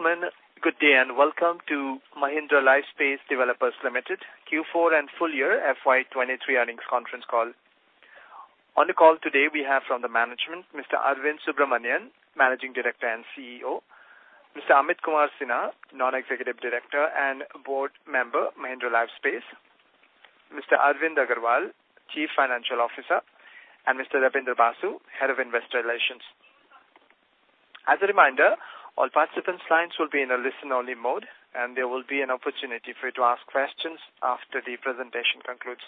Good day, and welcome to Mahindra Lifespace Developers Limited Q4 and full year FY 2023 earnings conference call. On the call today, we have from the management, Mr. Arvind Subramanian, Managing Director and CEO, Mr. Amit Kumar Sinha, Non-Executive Director and Board Member, Mahindra Lifespace, Mr. Vimal Agarwal, Chief Financial Officer, and Mr. Rabindra Basu, Head of Investor Relations. As a reminder, all participant lines will be in a listen-only mode, and there will be an opportunity for you to ask questions after the presentation concludes.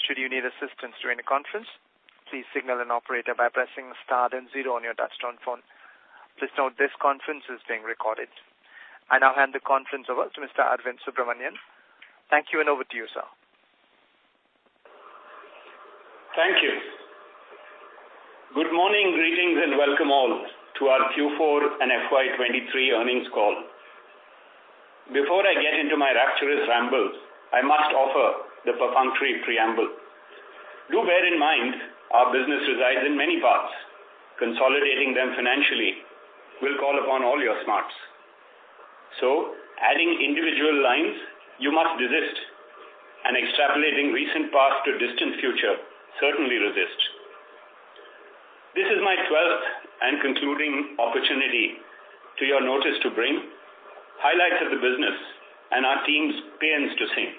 Should you need assistance during the conference, please signal an operator by pressing star then zero on your touchtone phone. Please note this conference is being recorded. I now hand the conference over to Mr. Arvind Subramanian. Thank you, and over to you, sir. Thank you. Good morning, greetings, and welcome all to our Q4 and FY 2023 earnings call. Before I get into my rapturous rambles, I must offer the perfunctory preamble. Do bear in mind our business resides in many parts. Consolidating them financially will call upon all your smarts. So adding individual lines, you must desist, and extrapolating recent past to distant future, certainly resist. This is my twelfth and concluding opportunity to your notice to bring highlights of the business and our team's paeans to sing.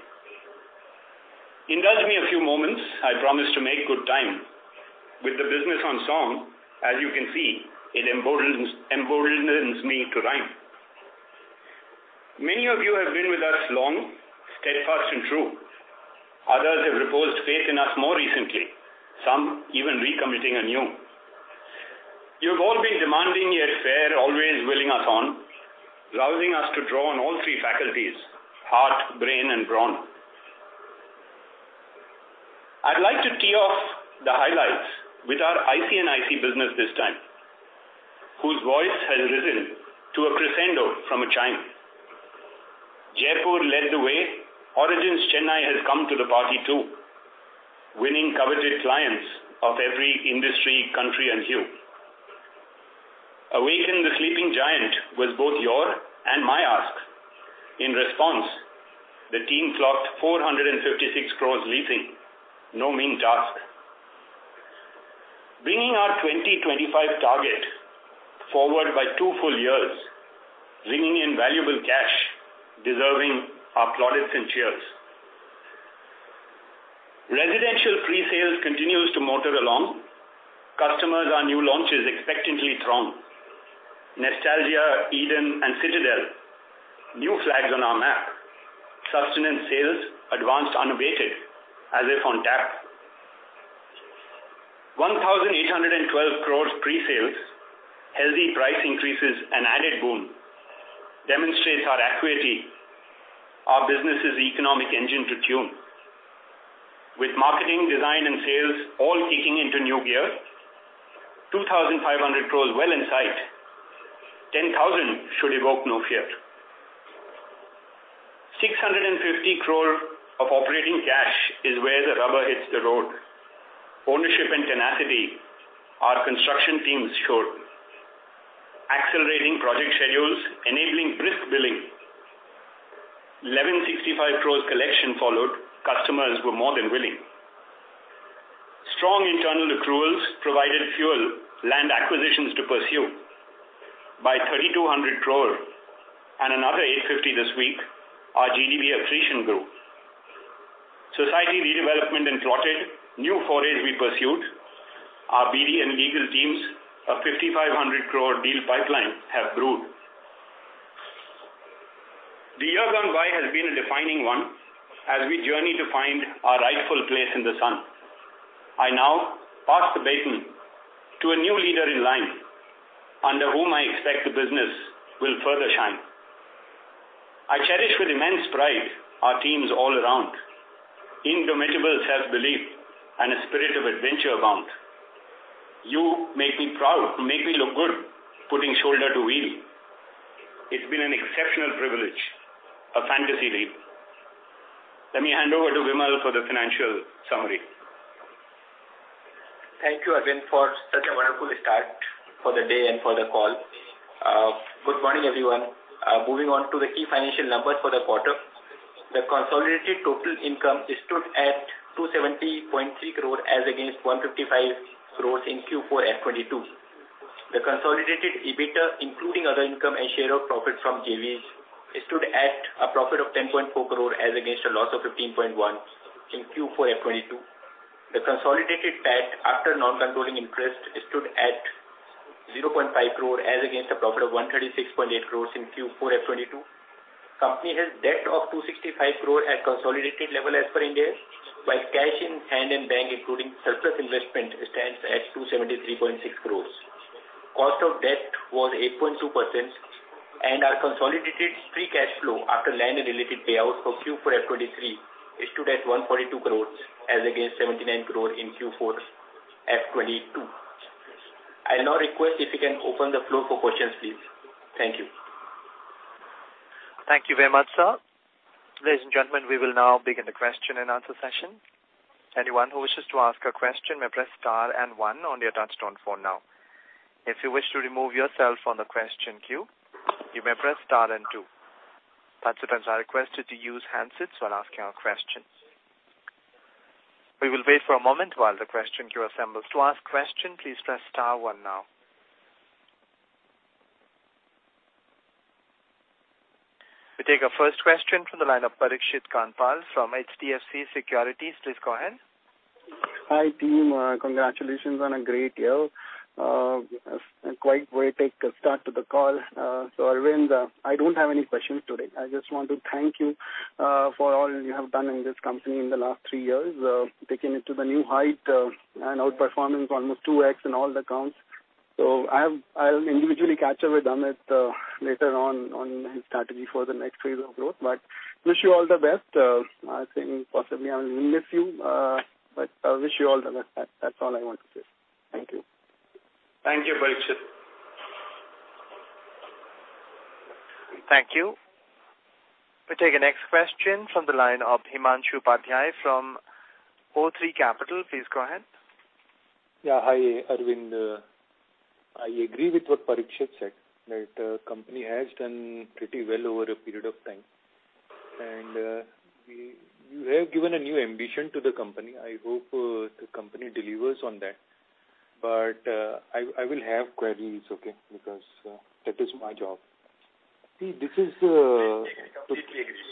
Indulge me a few moments. I promise to make good time. With the business on song, as you can see, it emboldens, emboldens me to rhyme. Many of you have been with us long, steadfast and true. Others have reposed faith in us more recently, some even recommitting anew. You've all been demanding, yet fair, always willing us on, rousing us to draw on all three faculties: heart, brain, and brawn. I'd like to tee off the highlights with our IC & IC business this time, whose voice has risen to a crescendo from a chime. Jaipur led the way. Origins Chennai has come to the party, too, winning coveted clients of every industry, country, and hue. Awaken the sleeping giant was both your and my ask. In response, the team clocked 456 crore leasing, no mean task. Bringing our 2025 target forward by two full years, bringing in valuable cash, deserving our plaudits and cheers. Residential pre-sales continues to motor along. Customers on new launches expectantly throng. Nestalgia, Eden, and Citadel, new flags on our map. Sustained sales advanced unabated, as if on tap. 1,812 crore pre-sales, healthy price increases, an added boon, demonstrates our acuity, our business's economic engine to tune. With marketing, design, and sales all kicking into new gear, 2,500 crore well in sight, 10,000 should evoke no fear. 650 crore of operating cash is where the rubber hits the road. Ownership and tenacity, our construction teams showed, accelerating project schedules, enabling brisk billing. 1,165 crore collection followed, customers were more than willing. Strong internal accruals provided fuel, land acquisitions to pursue. By 3,200 crore and another 850 this week, our GDV accretion grew. Society redevelopment and plotted, new forays we pursued. Our BD and legal teams, a 5,500 crore deal pipeline have brewed. The year gone by has been a defining one as we journey to find our rightful place in the sun. I now pass the baton to a new leader in line, under whom I expect the business will further shine. I cherish with immense pride our teams all around, indomitable self-belief, and a spirit of adventure abound. You make me proud, make me look good, putting shoulder to wheel. It's been an exceptional privilege, a fantasy leap. Let me hand over to Vimal for the financial summary. Thank you, Arvind, for such a wonderful start for the day and for the call. Good morning, everyone. Moving on to the key financial numbers for the quarter. The consolidated total income stood at 270.3 crore as against 155 crore in Q4 FY 2022. The consolidated EBITDA, including other income and share of profit from JVs, stood at a profit of 10.4 crore as against a loss of 15.1 crore in Q4 FY 2022. The consolidated PAT after non-controlling interest stood at 0.5 crore, as against a profit of 136.8 crore in Q4 FY 2022. The company has debt of 265 crore at consolidated level as per Ind AS, while cash in hand and bank, including surplus investment, stands at 273.6 crore. Cost of debt was 8.2%, and our consolidated free cash flow after land and related payouts for Q4 FY 2023 stood at 142 crores, as against 79 crore in Q4 FY 2022. I now request if you can open the floor for questions, please. Thank you. Thank you very much, sir. Ladies and gentlemen, we will now begin the question and answer session. Anyone who wishes to ask a question may press star and one on your touchtone phone now. If you wish to remove yourself from the question queue, you may press star and two. Participants are requested to use handsets while asking our questions. We will wait for a moment while the question queue assembles. To ask question, please press star one now. We take our first question from the line of Parikshit Kandpal from HDFC Securities. Please go ahead. Hi, team. Congratulations on a great year. Quite a way to start the call. So, Arvind, I don't have any questions today. I just want to thank you for all you have done in this company in the last three years, taking it to the new height and outperforming almost 2x in all the accounts. So, I'll individually catch up with Amit later on, on his strategy for the next phase of growth. But wish you all the best. I think possibly I will miss you, but I wish you all the best. That's all I want to say. Thank you. Thank you, Parikshit. Thank you. We take the next question from the line of Himanshu Upadhyay from o3 Capital. Please go ahead. Yeah. Hi, Arvind. I agree with what Parikshit said, that the company has done pretty well over a period of time. And you have given a new ambition to the company. I hope the company delivers on that. But I will have queries, okay? Because that is my job. See, this is. I completely agree.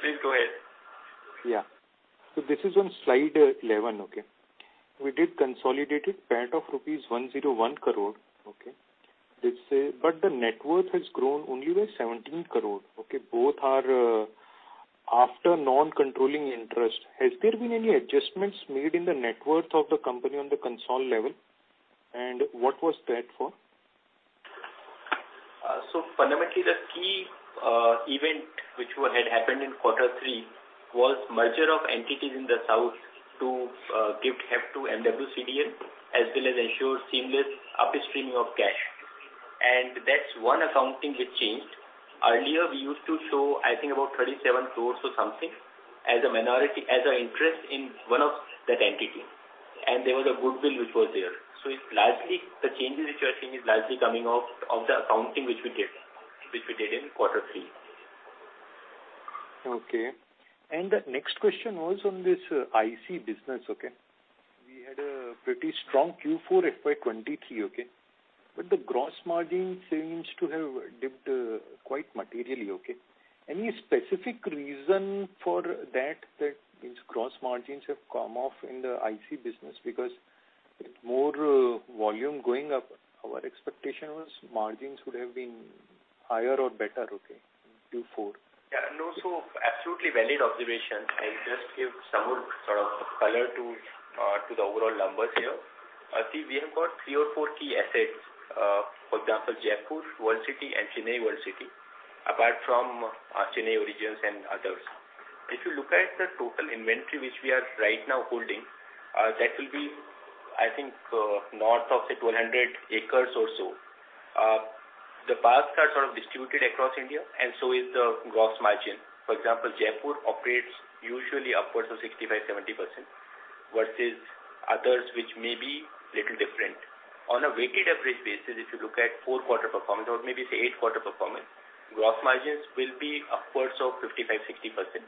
Please go ahead. Yeah. So this is on slide 11, okay? We did consolidated payout of rupees 101 crore, okay? Let's say, but the net worth has grown only by 17 crore, okay? Both are after non-controlling interest. Has there been any adjustments made in the net worth of the company on the consolidated level, and what was that for? So, fundamentally, the key event which had happened in quarter three was merger of entities in the south to give heft to MWCDL, as well as ensure seamless upstreaming of cash. And that's one accounting which changed. Earlier, we used to show, I think, about 37 crore or something, as a minority interest in one of that entity. And there was a goodwill which was there. So it's largely the changes which you are seeing is largely coming off of the accounting, which we did, which we did in quarter three. Okay. And the next question was on this IC business, okay? We had a pretty strong Q4 FY23, okay? But the gross margin seems to have dipped quite materially, okay. Any specific reason for that these gross margins have come off in the IC business? Because with more volume going up, our expectation was margins would have been higher or better, okay, Q4. Yeah, no, so absolutely valid observation. I'll just give some more sort of color to the overall numbers here. See, we have got three or four key assets. For example, Jaipur World City and Chennai World City, apart from Chennai Origins and others. If you look at the total inventory, which we are right now holding, that will be, I think, north of say, 200 acres or so. The parks are sort of distributed across India, and so is the gross margin. For example, Jaipur operates usually upwards of 65%-70%, versus others, which may be little different. On a weighted average basis, if you look at four-quarter performance or maybe say eight-quarter performance, gross margins will be upwards of 55%-60%.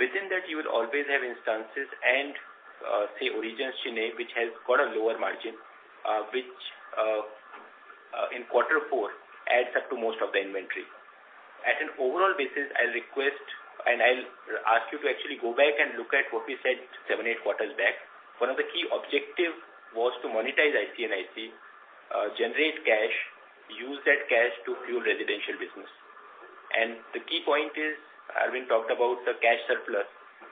Within that, you will always have instances and, say Origins Chennai, which has got a lower margin, which, in quarter four, adds up to most of the inventory. At an overall basis, I request and I'll ask you to actually go back and look at what we said seven, eight quarters back. One of the key objective was to monetize IC & IC, generate cash, use that cash to fuel residential business. And the key point is, Arvind talked about the cash surplus,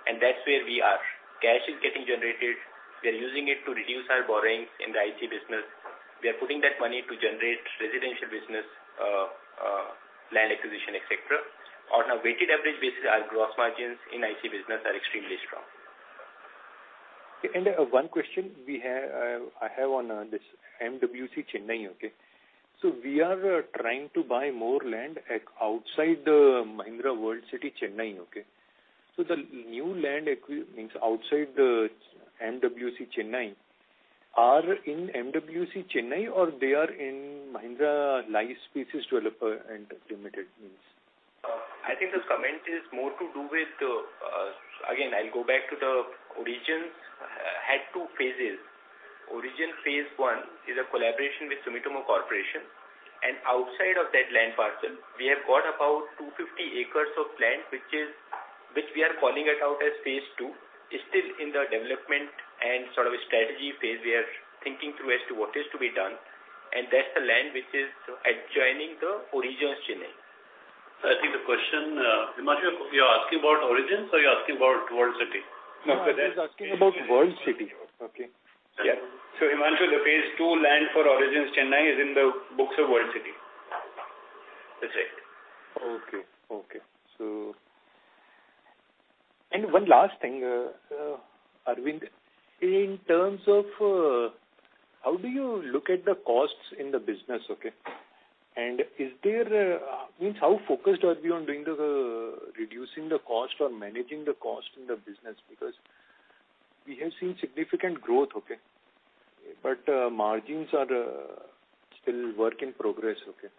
and that's where we are. Cash is getting generated. We are using it to reduce our borrowings in the IC business. We are putting that money to generate residential business, land acquisition, et cetera. On a weighted average basis, our gross margins in IC business are extremely strong. One question we have, I have on this MWC Chennai, okay? So we are trying to buy more land at outside the Mahindra World City, Chennai, okay? So the new land acqui- means outside the MWC Chennai, are in MWC Chennai or they are in Mahindra Lifespace Developers Limited means? I think this comment is more to do with the... Again, I'll go back to the Origins had two phases. Origins phase one is a collaboration with Sumitomo Corporation, and outside of that land parcel, we have got about 250 acres of land, which is, which we are calling it out as phase two. It's still in the development and sort of a strategy phase. We are thinking through as to what is to be done, and that's the land which is adjoining the Origins, Chennai. I think the question, Himanshu, you are asking about Origins or you're asking about World City? No, I was asking about World City. Okay. Yeah. So Himanshu, the phase II land for Origins Chennai is in the books of World City. That's it. Okay. Okay, one last thing, Arvind, in terms of how do you look at the costs in the business, okay? And is there means how focused are we on doing the reducing the cost or managing the cost in the business? Because we have seen significant growth, okay, but margins are still work in progress, okay.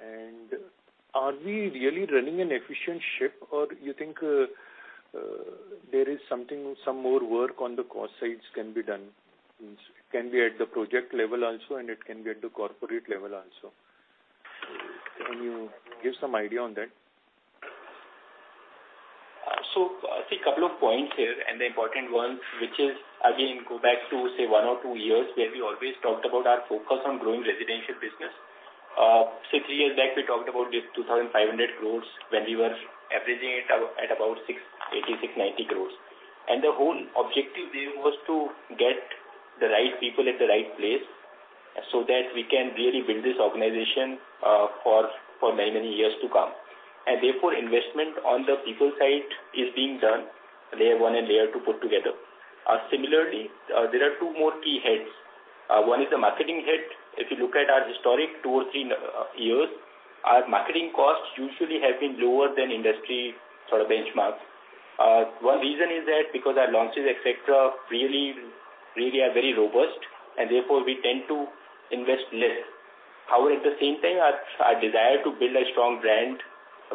And are we really running an efficient ship, or you think there is something, some more work on the cost sides can be done? Means can be at the project level also, and it can be at the corporate level also. Can you give some idea on that? So I see a couple of points here, and the important one, which is, again, go back to, say, one or two years, where we always talked about our focus on growing residential business. So three years back, we talked about the 2,500 crore when we were averaging it at about 680 crore-690 crore. And the whole objective there was to get the right people at the right place so that we can really build this organization for many years to come. And therefore, investment on the people side is being done, layer one and layer two put together. Similarly, there are two more key heads. One is the marketing head. If you look at our historic two or three years, our marketing costs usually have been lower than industry sort of benchmark. One reason is that because our launches, et cetera, really, really are very robust, and therefore we tend to invest less. However, at the same time, our, our desire to build a strong brand,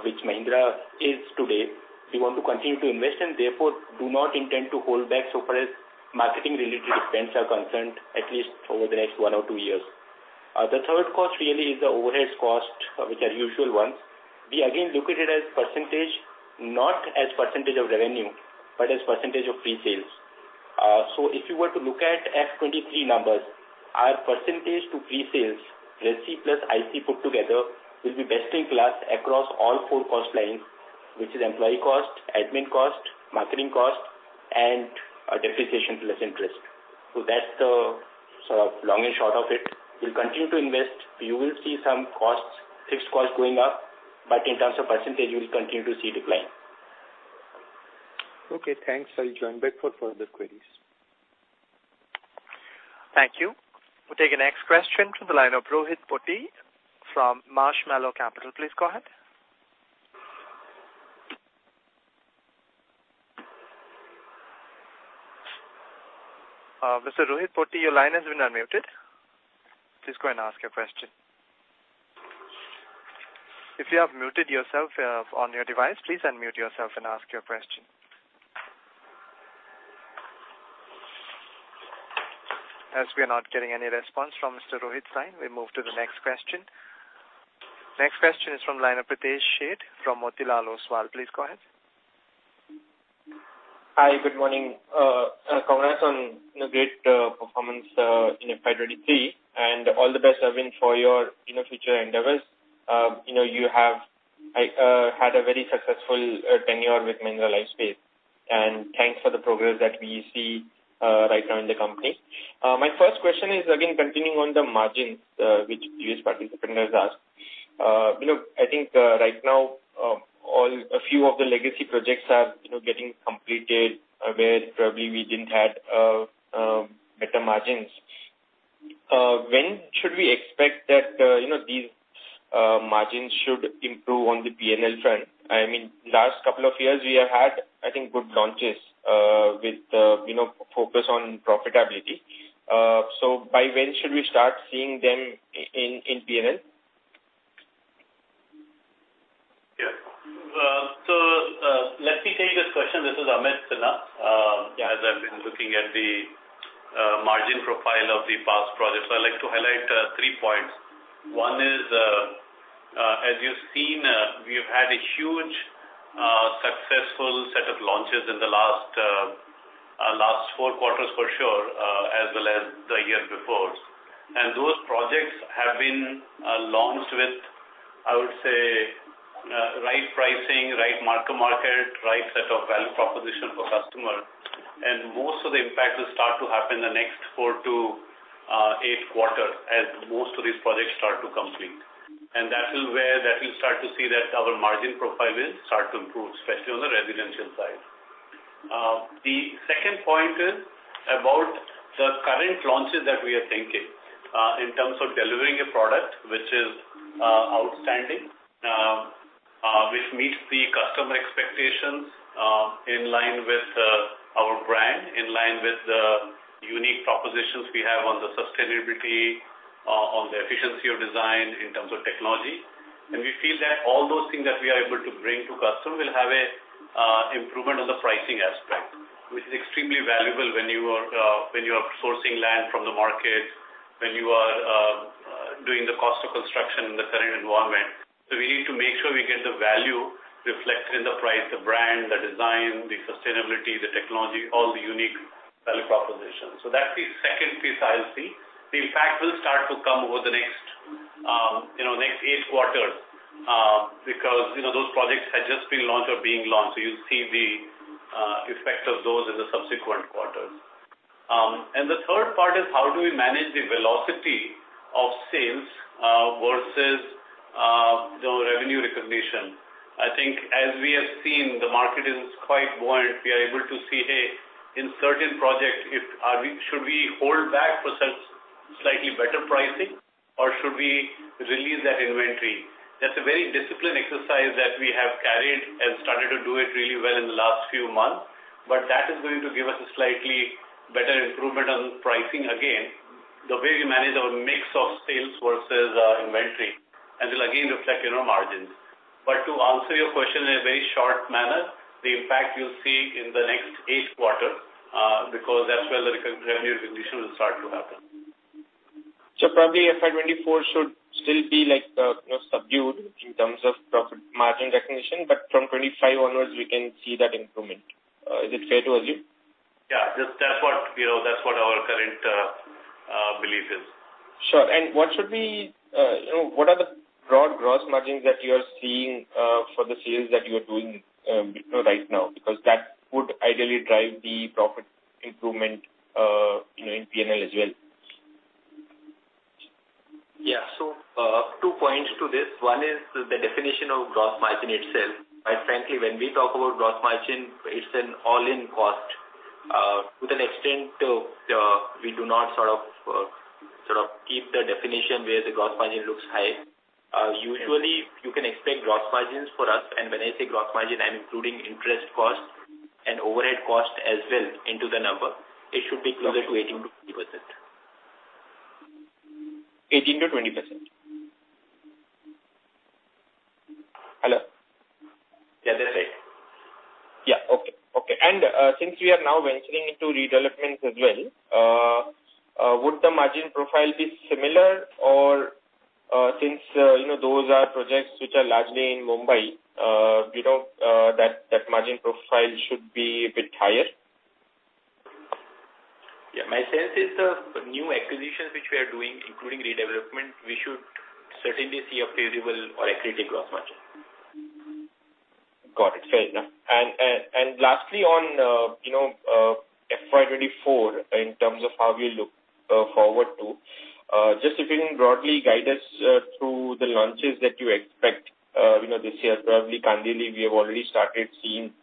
which Mahindra is today, we want to continue to invest and therefore do not intend to hold back so far as marketing-related expenses are concerned, at least over the next one or two years. The third cost really is the overhead cost, which are usual ones. We again look at it as percentage, not as percentage of revenue, but as percentage of pre-sales. So if you were to look at FY 2023 numbers, our percentage to pre-sales, Resi plus IC put together, will be best in class across all four cost lines, which is employee cost, admin cost, marketing cost, and, depreciation plus interest. That's the long and short of it. We'll continue to invest. You will see some costs, fixed costs going up, but in terms of percentage, you will continue to see decline. Okay, thanks. I'll join back for further queries. Thank you. We'll take the next question from the line of Rohit Poti from Marshmallow Capital. Please go ahead. Mr. Rohit Poti, your line has been unmuted. Please go and ask your question. If you have muted yourself, on your device, please unmute yourself and ask your question. As we are not getting any response from Mr. Rohit's line, we move to the next question. Next question is from line of Pritesh Sheth from Motilal Oswal. Please go ahead. Hi, good morning. Congrats on, you know, great performance in FY 2023, and all the best, Arvind, for your, you know, future endeavors. You know, you have had a very successful tenure with Mahindra Lifespace, and thanks for the progress that we see right now in the company. My first question is, again, continuing on the margins, which previous participant has asked. You know, I think right now, a few of the legacy projects are, you know, getting completed, where probably we didn't have better margins. When should we expect that, you know, these margins should improve on the P&L front? I mean, last couple of years, we have had, I think, good launches with, you know, focus on profitability. So, by when should we start seeing them in P&L? Yes. So, let me take this question. This is Amit Sinha. As I've been looking at the margin profile of the past projects, I'd like to highlight three points. One is, as you've seen, we've had a huge successful set of launches in the last four quarters for sure, as well as the year before. And those projects have been launched with, I would say, right pricing, right market-to-market, right set of value proposition for customer. And most of the impact will start to happen in the next four to eight quarters as most of these projects start to complete. And that is where that will start to see that our margin profile will start to improve, especially on the residential side. The second point is about the current launches that we are thinking in terms of delivering a product which is outstanding, which meets the customer expectations in line with our brand, in line with the unique propositions we have on the sustainability, on the efficiency of design in terms of technology. And we feel that all those things that we are able to bring to customer will have a improvement on the pricing aspect, which is extremely valuable when you are sourcing land from the market, when you are doing the cost of construction in the current environment. So we need to make sure we get the value reflected in the price, the brand, the design, the sustainability, the technology, all the unique value propositions. So that's the second piece I see. The impact will start to come over the next, you know, next eight quarters, because, you know, those projects have just been launched or being launched, so you'll see the effect of those in the subsequent quarters. And the third part is how do we manage the velocity of sales, versus the revenue recognition? I think as we have seen, the market is quite buoyant. We are able to see, hey, in certain projects, if are we should we hold back for such slightly better pricing, or should we release that inventory? That's a very disciplined exercise that we have carried and started to do it really well in the last few months, but that is going to give us a slightly better improvement on pricing again. The way we manage our mix of sales versus inventory, and it'll again reflect in our margins. But to answer your question in a very short manner, the impact you'll see in the next eight quarters, because that's where the revenue recognition will start to happen. Probably FY 2024 should still be like, you know, subdued in terms of profit margin recognition, but from 2025 onwards we can see that improvement. Is it fair to assume? Yeah, that's what, you know, that's what our current belief is. Sure. What should we, you know, what are the broad gross margins that you are seeing for the sales that you are doing right now? Because that would ideally drive the profit improvement, you know, in P&L as well. Yeah. So, two points to this. One is the definition of gross margin itself, and frankly, when we talk about gross margin, it's an all-in cost. To an extent, we do not sort of, sort of keep the definition where the gross margin looks high. Usually you can expect gross margins for us, and when I say gross margin, I'm including interest costs and overhead costs as well into the number. It should be closer to 18%-20%. 18%-20%. Hello? Yeah, that's right. Yeah. Okay, okay. And since we are now venturing into redevelopments as well, would the margin profile be similar? Or since you know those are projects which are largely in Mumbai, we know that margin profile should be a bit higher. Yeah, my sense is the new acquisitions which we are doing, including redevelopment, we should certainly see a favorable or equity gross margin. Got it. Fair enough. And lastly on, you know, FY 2024, in terms of how we look forward to, just if you can broadly guide us through the launches that you expect, you know, this year. Probably, Kandivali, we have already started seeing,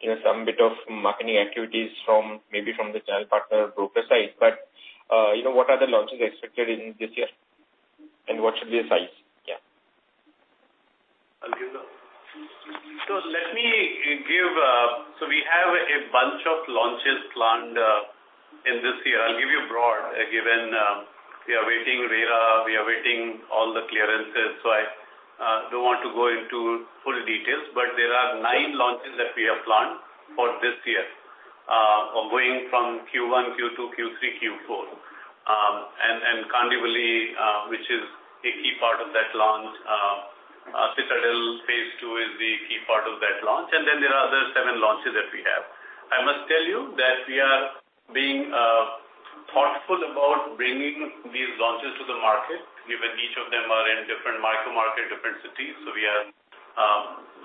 you know, some bit of marketing activities from, maybe from the channel partner broker side. But, you know, what are the launches expected in this year, and what should be the size? Yeah. So let me give. So we have a bunch of launches planned in this year. I'll give you broad, given we are waiting RERA, we are waiting all the clearances, so I don't want to go into full details, but there are nine launches that we have planned for this year, going from Q1, Q2, Q3, Q4. And Kandivali, which is a key part of that launch, Citadel Phase Two is the key part of that launch, and then there are other seven launches that we have. I must tell you that we are being thoughtful about bringing these launches to the market, given each of them are in different micro market, different cities. So we are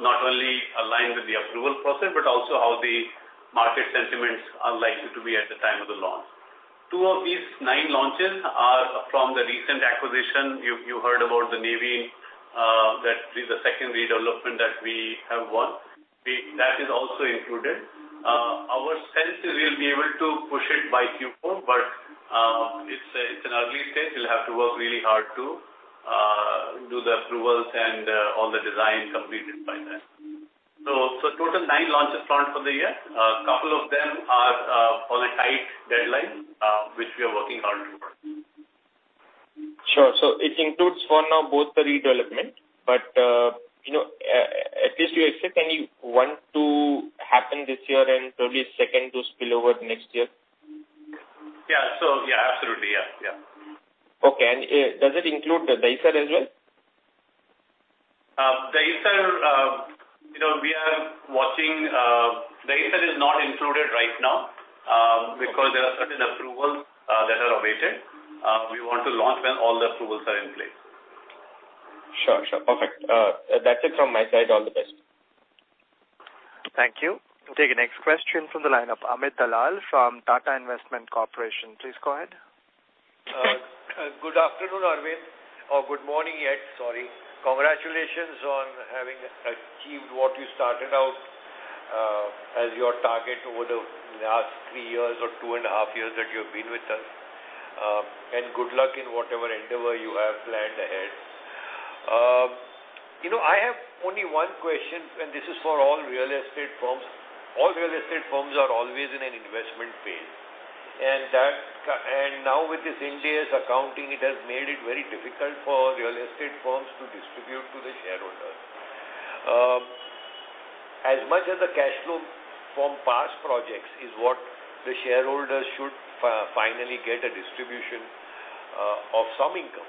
not only aligned with the approval process, but also how the market sentiments are likely to be at the time of the launch. Two of these nine launches are from the recent acquisition. You heard about the new win, that is the second redevelopment that we have won. That is also included. Our sense is we'll be able to push it by Q4, but it's an early stage. We'll have to work really hard to do the approvals and all the design completed by then. So total nine launches planned for the year. A couple of them are on a tight deadline, which we are working hard towards. Sure. So it includes for now, both the redevelopment, but, you know, at least you expect any one to happen this year and probably second to spill over next year? Yeah. So yeah, absolutely. Yes. Yeah. Okay. Does it include the Dahisar as well? Dahisar, you know, we are watching. Dahisar is not included right now, because there are certain approvals that are awaited. We want to launch when all the approvals are in place. Sure, sure. Perfect. That's it from my side. All the best. Thank you. We'll take the next question from the line of Amit Dalal from Tata Investment Corporation. Please go ahead. Good afternoon, Arvind, or good morning, yes, sorry. Congratulations on having achieved what you started out as your target over the last three years or two and a half years that you've been with us. Good luck in whatever endeavor you have planned ahead. You know, I have only one question, and this is for all real estate firms. All real estate firms are always in an investment phase, and that, and now with this Ind AS, it has made it very difficult for real estate firms to distribute to the shareholders. As much as the cash flow from past projects is what the shareholders should finally get a distribution of some income,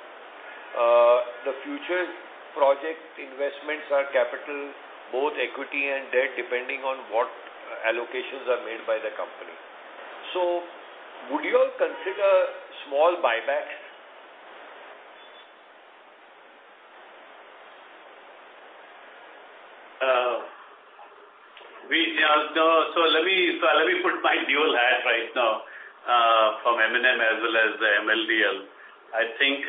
the future project investments are capital, both equity and debt, depending on what allocations are made by the company. Would you all consider small buybacks? We, no, so let me put my dual hat right now from M&M as well as MLDL. I think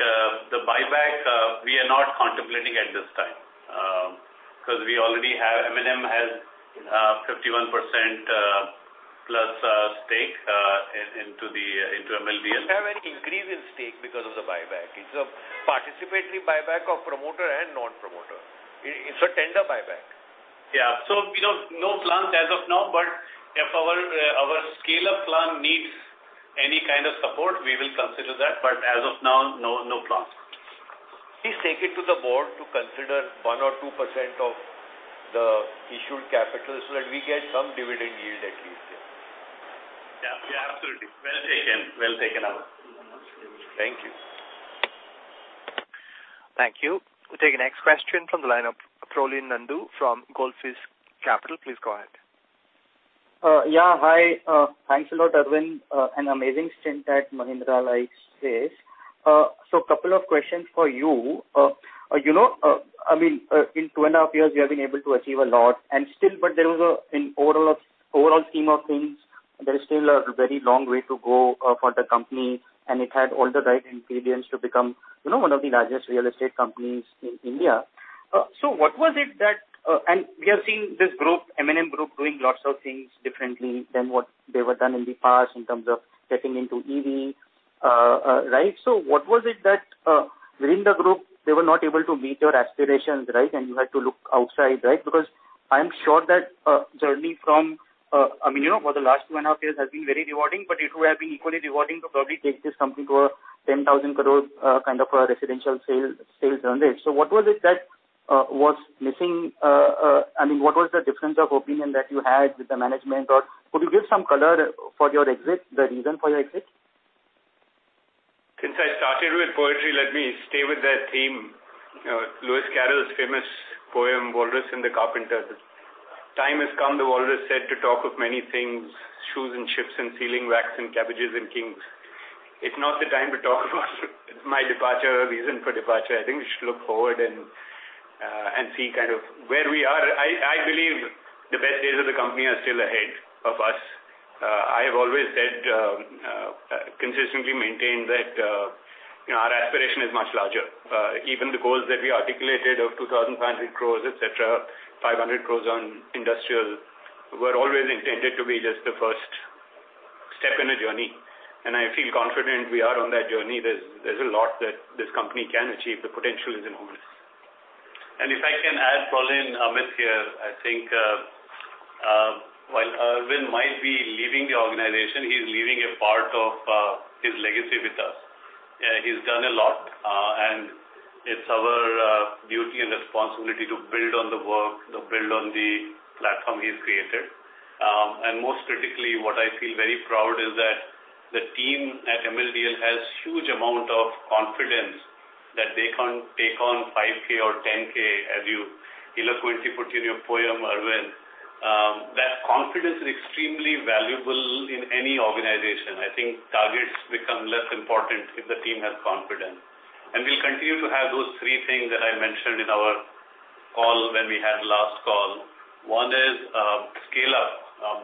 the buyback we are not contemplating at this time, 'cause we already have. M&M has 51%+ stake in MLDL. We have an increase in stake because of the buyback. It's a participatory buyback of promoter and non-promoter. It's a tender buyback. Yeah. So, you know, no plans as of now, but if our scale-up plan needs any kind of support, we will consider that. But as of now, no, no plans. Please take it to the board to consider 1% or 2% of the issued capital so that we get some dividend yield at least. Yeah. Yeah, absolutely. Well taken. Well taken, Amit. Thank you. Thank you. We'll take the next question from the line of Prolin Nandu from Goldfish Capital. Please go ahead. Yeah, hi. Thanks a lot, Arvind. An amazing stint at Mahindra, like this. So a couple of questions for you. You know, I mean, in two and a half years, you have been able to achieve a lot, and still, but in overall, overall scheme of things, there is still a very long way to go for the company, and it had all the right ingredients to become, you know, one of the largest real estate companies in India. So what was it that... And we have seen this group, M&M Group, doing lots of things differently than what they were done in the past in terms of getting into EV, right? So what was it that, within the group, they were not able to meet your aspirations, right? You had to look outside, right? Because I'm sure that, journey from, I mean, you know, for the last two and a half years has been very rewarding, but it would have been equally rewarding to probably take this company to a 10,000 crore kind of a residential sale, sales journey. So what was it that, was missing? I mean, what was the difference of opinion that you had with the management, or could you give some color for your exit, the reason for your exit? Since I started with poetry, let me stay with that theme. Lewis Carroll's famous poem, Walrus and the Carpenter. "The time has come, the Walrus said, to talk of many things, shoes and ships and ceiling racks and cabbages and kings." It's not the time to talk about my departure or reason for departure. I think we should look forward and see kind of where we are. I believe the best days of the company are still ahead of us. I have always said, consistently maintained that, you know, our aspiration is much larger. Even the goals that we articulated of 2,500 crore, et cetera, 500 crore on industrial, were always intended to be just the first step in a journey, and I feel confident we are on that journey. There's a lot that this company can achieve. The potential is enormous. If I can add, Prolin, Amit here, I think, while Arvind might be leaving the organization, he's leaving a part of his legacy with us. He's done a lot, and it's our duty and responsibility to build on the work, to build on the platform he's created. Most critically, what I feel very proud is that the team at MLDL has huge amount of confidence that they can take on 5,000 or 10,000, as you eloquently put in your poem, Arvind. That confidence is extremely valuable in any organization. I think targets become less important if the team has confidence. We'll continue to have those three things that I mentioned in our call when we had last call. One is scale up,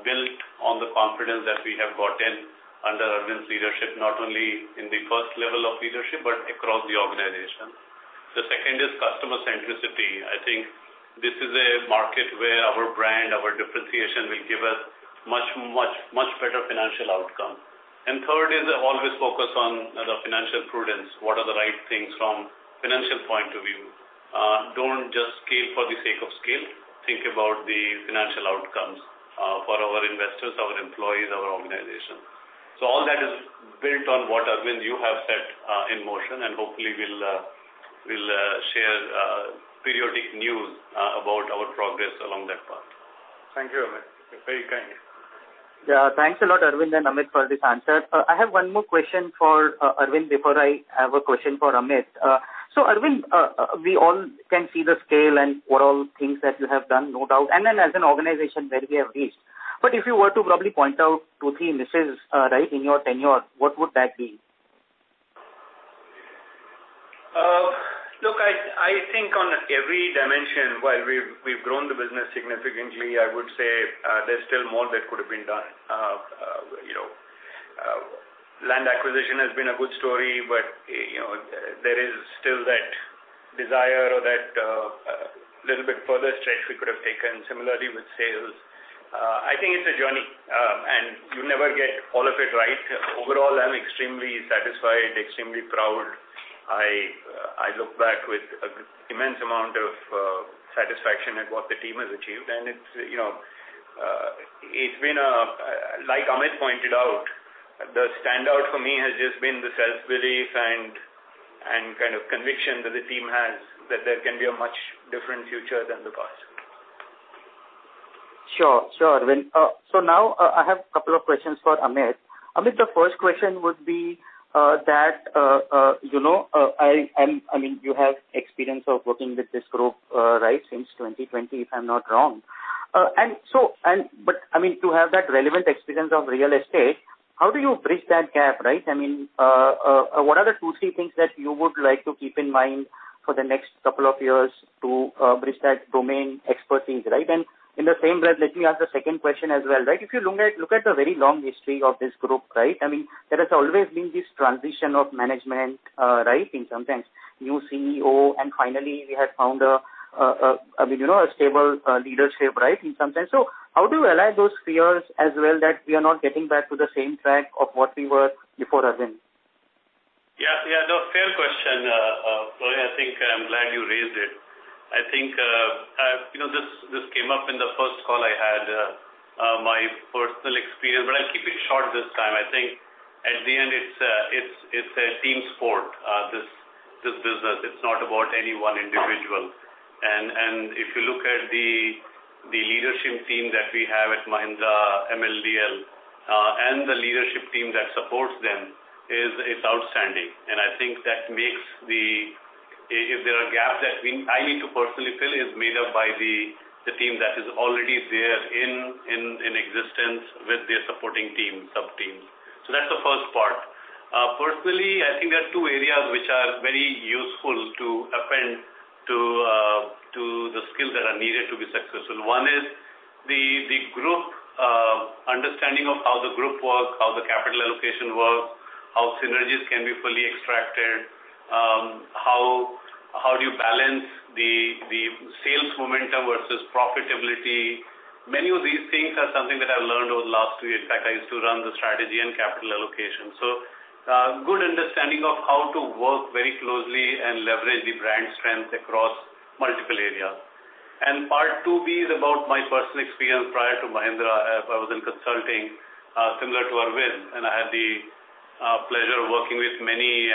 built on the confidence that we have gotten under Arvind's leadership, not only in the first level of leadership, but across the organization. The second is customer centricity. I think this is a market where our brand, our differentiation, will give us much, much, much better financial outcome. And third is always focus on the financial prudence. What are the right things from financial point of view? Don't just scale for the sake of scale. Think about the financial outcomes, for our investors, our employees, our organization. So all that is built on what, Arvind, you have set in motion, and hopefully, we'll share periodic news about our progress along that path. Thank you, Amit. You're very kind. Yeah, thanks a lot, Arvind and Amit, for this answer. I have one more question for Arvind, before I have a question for Amit. So Arvind, we all can see the scale and what all things that you have done, no doubt, and then as an organization, where we have reached. But if you were to probably point out two, three misses, right, in your tenure, what would that be? Look, I think on every dimension, while we've grown the business significantly, I would say, there's still more that could have been done. You know, land acquisition has been a good story, but, you know, there is still that desire or that little bit further stretch we could have taken, similarly with sales. I think it's a journey, and you never get all of it right. Overall, I'm extremely satisfied, extremely proud. I look back with an immense amount of satisfaction at what the team has achieved. And it's, you know, it's been like Amit pointed out, the standout for me has just been the self-belief and kind of conviction that the team has, that there can be a much different future than the past. Sure. Sure, Arvind. So now, I have a couple of questions for Amit. Amit, the first question would be, that, you know, I mean, you have experience of working with this group, right? Since 2020, if I'm not wrong. And so, but, I mean, to have that relevant experience of real estate, how do you bridge that gap, right? I mean, what are the two, three things that you would like to keep in mind for the next couple of years to bridge that domain expertise, right? And in the same breath, let me ask the second question as well, right? If you look at the very long history of this group, right? I mean, there has always been this transition of management, right, in sometimes new CEO, and finally, we have found a, I mean, you know, a stable, leadership, right, in sometimes. So how do you align those fears as well, that we are not getting back to the same track of what we were before again? Yeah, yeah, no, fair question. I think I'm glad you raised it. I think, you know, this, this came up in the first call I had, my personal experience, but I'll keep it short this time. I think at the end, it's a, it's, it's a team sport, this, this business. It's not about any one individual. And, and if you look at the, the leadership team that we have at Mahindra MLDL, and the leadership team that supports them, is, it's outstanding. And I think that makes the... If there are gaps that we, I need to personally fill, is made up by the, the team that is already there in, in, in existence with their supporting team, sub-teams. So that's the first part. Personally, I think there are two areas which are very useful to append to the skills that are needed to be successful. One is the group understanding of how the group works, how the capital allocation works, how synergies can be fully extracted, how do you balance the sales momentum versus profitability? Many of these things are something that I've learned over the last two years. In fact, I used to run the strategy and capital allocation. So, good understanding of how to work very closely and leverage the brand strength across multiple areas. And part two B is about my personal experience prior to Mahindra. I was in consulting, similar to Arvind, and I had the pleasure of working with many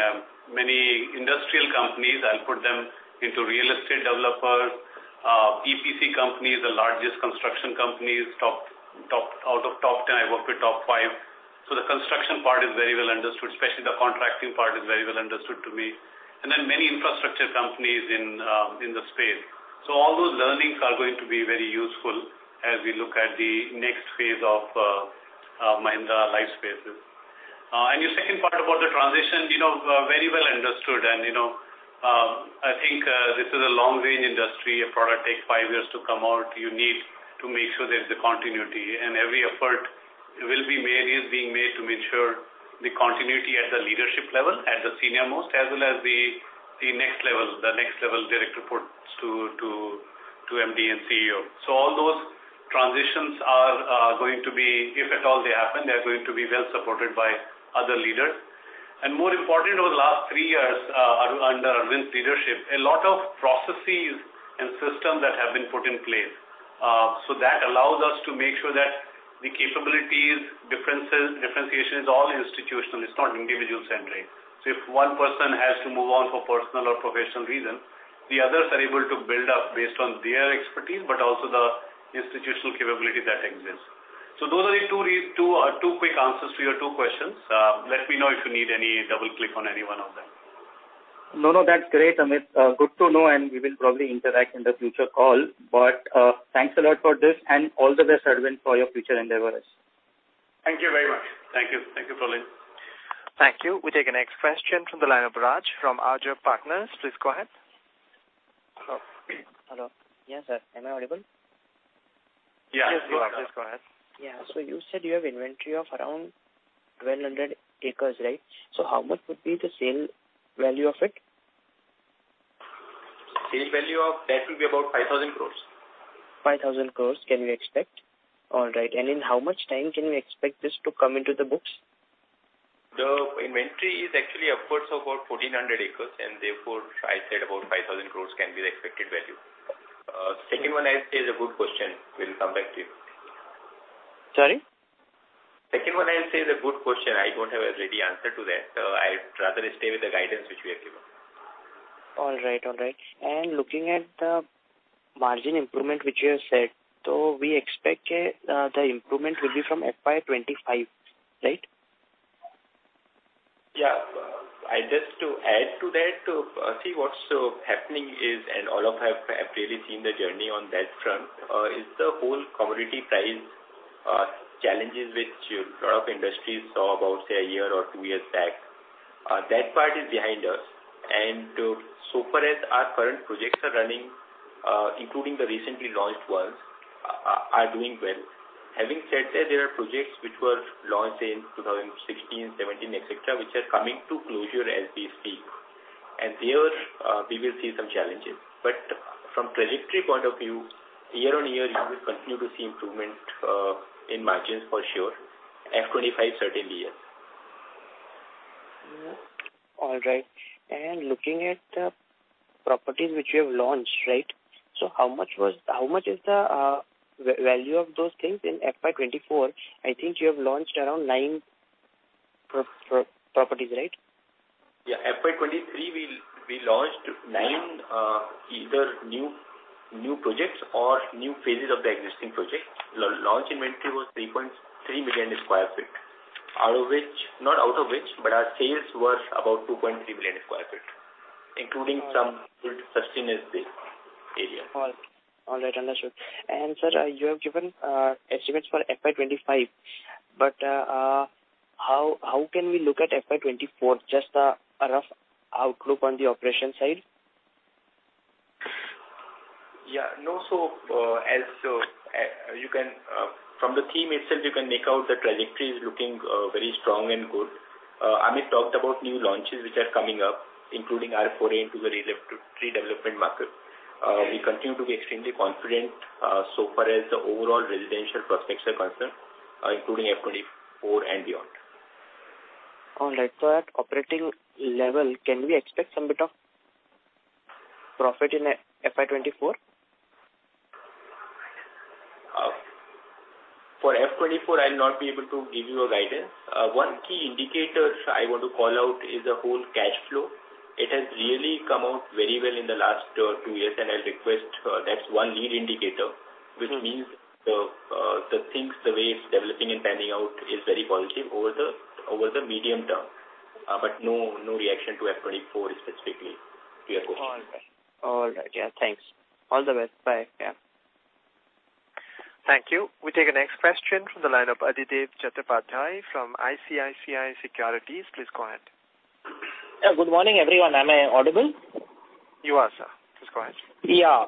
industrial companies. I'll put them into real estate developers, EPC companies, the largest construction companies, top, top, out of top 10, I worked with top five. So the construction part is very well understood, especially the contracting part is very well understood to me, and then many infrastructure companies in, in the space. So all those learnings are going to be very useful as we look at the next phase of, Mahindra Lifespace. And your second part about the transition, you know, very well understood. And, you know, I think, this is a long-range industry. A product takes five years to come out. You need to make sure there's a continuity, and every effort will be made, is being made to make sure the continuity at the leadership level, at the senior most, as well as the next level, the next level direct reports to MD and CEO. So all those transitions are going to be, if at all they happen, they're going to be well supported by other leaders. And more importantly, over the last three years, under Arvind's leadership, a lot of processes and systems that have been put in place. So that allows us to make sure that the capabilities, differences, differentiations, all institutional, it's not individual-centric. So if one person has to move on for personal or professional reasons, the others are able to build up based on their expertise, but also the institutional capability that exists. So those are the two quick answers to your two questions. Let me know if you need any double click on any one of them. No, no, that's great, Amit. Good to know, and we will probably interact in the future call. But, thanks a lot for this, and all the best, Arvind, for your future endeavors. Thank you very much. Thank you. Thank you, Prolin. Thank you. We take the next question from the line of Raaj, from Arjav Partners. Please go ahead. Hello. Hello. Yes, sir, am I audible? Yeah, please go ahead. Yes, please go ahead. Yeah. So you said you have inventory of around 1,200 acres, right? So how much would be the sale value of it? Sale value of that will be about 5,000 crore. 5,000 crore, can we expect? All right. And in how much time can we expect this to come into the books? The inventory is actually upwards of about 1,400 acres, and therefore, I said about 5,000 crore can be the expected value. Second one, I'd say is a good question. We'll come back to you. Sorry? Second one, I'll say is a good question. I don't have a ready answer to that, so I'd rather stay with the guidance which we have given. All right. All right. Looking at the margin improvement which you have said, so we expect the improvement will be from FY 2025, right? Yeah. I just to add to that, to see what's happening is, and all of have, have really seen the journey on that front, is the whole commodity price challenges which a lot of industries saw about, say, a year or two years back. That part is behind us. And so far as our current projects are running, including the recently launched ones, are doing well. Having said that, there are projects which were launched in 2016, 2017, et cetera, which are coming to closure as we speak, and there we will see some challenges. But from trajectory point of view, year on year, you will continue to see improvement in margins for sure. F 2025, certainly, yes. All right. Looking at the properties which you have launched, right? So how much is the value of those things in FY 2024? I think you have launched around nine properties, right? Yeah. FY 2023, we launched. Nine. Either new projects or new phases of the existing projects. Launch inventory was 3.3 million sq ft, out of which, not out of which, but our sales were about 2.3 million sq ft, including some good sustenance base area. All right, understood. Sir, you have given estimates for FY 2025, but how can we look at FY 2024? Just a rough outlook on the operation side. Yeah. No, so, as you can from the theme itself, you can make out the trajectory is looking very strong and good. Amit talked about new launches which are coming up, including our foray into the redevelopment market. We continue to be extremely confident, so far as the overall residential prospects are concerned, including FY 2024 and beyond. All right. So at operating level, can we expect some bit of profit in FY 2024? For FY 2024, I'll not be able to give you a guidance. One key indicators I want to call out is the whole cash flow. It has really come out very well in the last two years, and I'll request, that's one lead indicator. Which means the things, the way it's developing and panning out is very positive over the medium term, but no, no reaction to FY 2024 specifically to your question. All right. All right, yeah. Thanks. All the best. Bye. Yeah. Thank you. We take the next question from the line of Adhidev Chattopadhyay from ICICI Securities. Please go ahead. Yeah, good morning, everyone. Am I audible? You are, sir. Please go ahead. Yeah.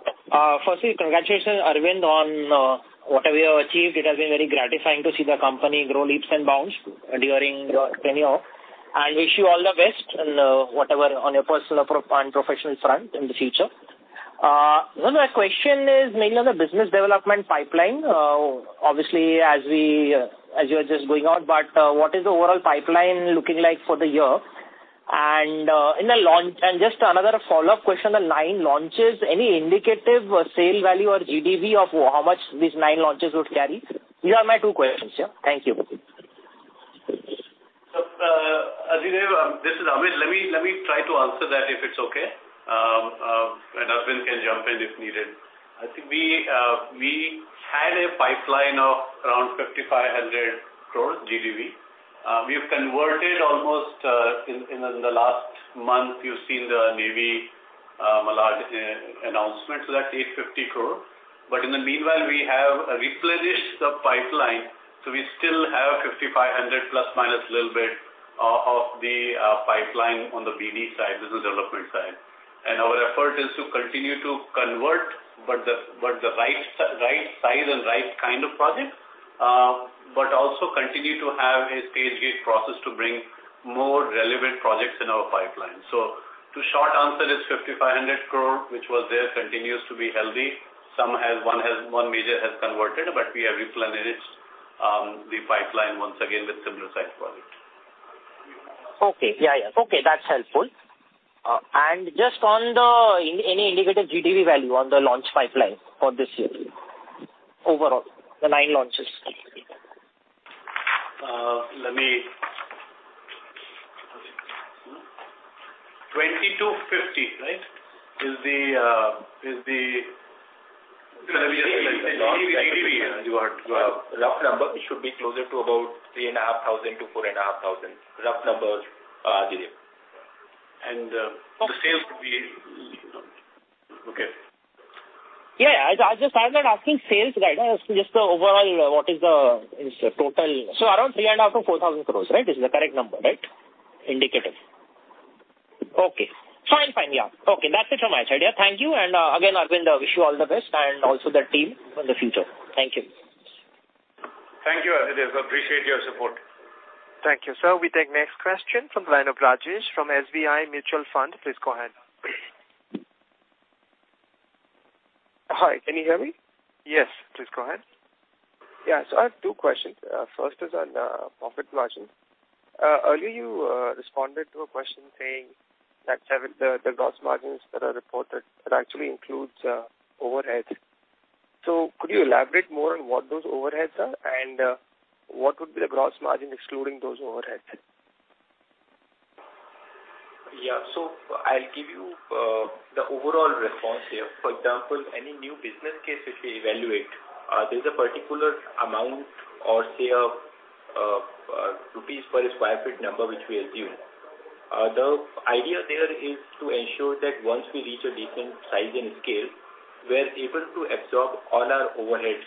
Firstly, congratulations, Arvind, on what you have achieved. It has been very gratifying to see the company grow leaps and bounds during your tenure. I wish you all the best in whatever on your personal pro- and professional front in the future. Now my question is mainly on the business development pipeline. Obviously, as we, as you were just going out, but what is the overall pipeline looking like for the year? And in the launch... And just another follow-up question, the nine launches, any indicative sale value or GDV of how much these nine launches would carry? These are my two questions. Yeah. Thank you. Aditya, this is Amit. Let me try to answer that, if it's okay. And Arvind can jump in if needed. I think we had a pipeline of around 5,500 crore GDV. We have converted almost in the last month; you've seen the new win, a large announcement, so that's 850 crore. But in the meanwhile, we have replenished the pipeline. So we still have 5,500+, minus a little bit of the pipeline on the BD side, business development side. And our effort is to continue to convert, but the right size and right kind of project, but also continue to have a stage gate process to bring more relevant projects in our pipeline. The short answer is 5,500 crore, which was there, continues to be healthy. Some has—one has, one major has converted, but we have replenished the pipeline once again with similar size projects. Okay. Yeah, yeah. Okay, that's helpful. And just on the, any indicated GDV value on the launch pipeline for this year, overall, the nine launches? Let me... 20-50, right, is the, is the, Rough number, it should be closer to about 3,500-4,500. Rough numbers, Aditya. The sales would be... Okay. Yeah, yeah. I just - I'm not asking sales guidance, just the overall, what is the, is the total? So around 3,500 crore-4,000 crore, right? This is the correct number, right? Indicative. Okay. Fine, fine, yeah. Okay, that's it from my side. Yeah. Thank you. And again, Arvind, wish you all the best and also the team in the future. Thank you. Thank you, Adhidev. Appreciate your support. Thank you. Sir, we take next question from the line of Rajesh, from SBI Mutual Fund. Please go ahead. Hi, can you hear me? Yes, please go ahead. Yeah. So I have two questions. First is on profit margin. Earlier you responded to a question saying that seven, the gross margins that are reported, that actually includes overheads. So could you elaborate more on what those overheads are, and what would be the gross margin excluding those overheads? Yeah. So I'll give you the overall response here. For example, any new business case which we evaluate, there's a particular amount or say, INR per sq ft number, which we assume. The idea there is to ensure that once we reach a decent size and scale, we're able to absorb all our overheads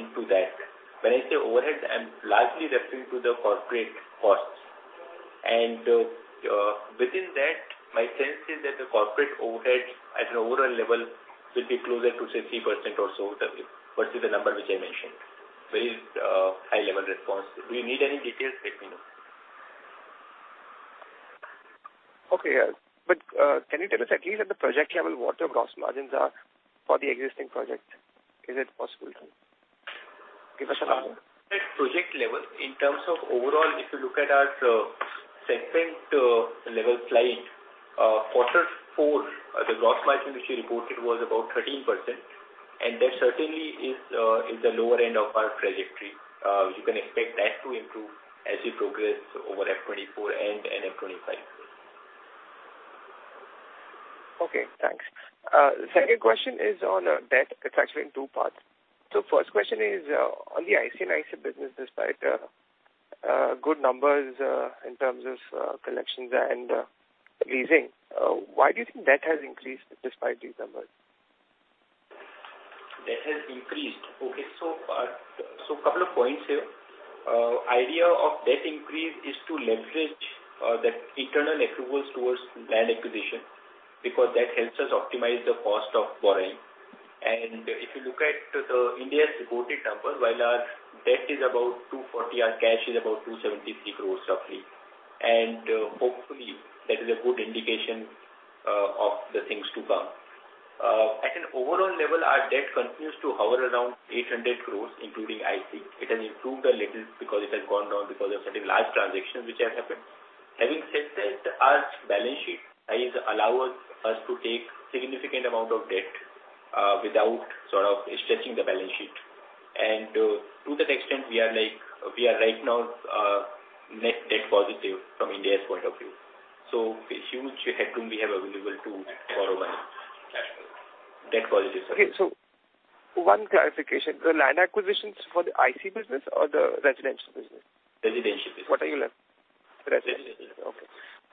into that. When I say overheads, I'm largely referring to the corporate costs. And within that, my sense is that the corporate overhead at an overall level will be closer to say, 3% or so, versus the number which I mentioned. Very high-level response. Do you need any details, let me know? Okay, yeah. But, can you tell us at least at the project level, what the gross margins are for the existing project? Is it possible to give us a number? At project level, in terms of overall, if you look at our segment level slide, quarter four, the gross margin which we reported was about 13%, and that certainly is the lower end of our trajectory. You can expect that to improve as we progress over FY 2024 and FY 2025. Okay, thanks. Second question is on debt. It's actually in two parts. So first question is on the IC&IC business, despite good numbers in terms of collections and leasing, why do you think debt has increased despite these numbers? Debt has increased. Okay, so, so couple of points here. Idea of debt increase is to leverage the internal approvals towards land acquisition, because that helps us optimize the cost of borrowing. And if you look at India's reported numbers, while our debt is about 240 crore, our cash is about 273 crore roughly. And, hopefully, that is a good indication of the things to come. At an overall level, our debt continues to hover around 800 crore, including IC. It has improved a little because it has gone down because of certain large transactions which have happened. Having said that, our balance sheet is allowing us to take significant amount of debt without sort of stretching the balance sheet. To that extent, we are like, we are right now, net debt positive from India's point of view. So a huge headroom we have available to borrow by. Debt positive. Okay, one clarification, the land acquisitions for the IC business or the residential business? Residential business. What are you left? Residential. Okay. Yeah.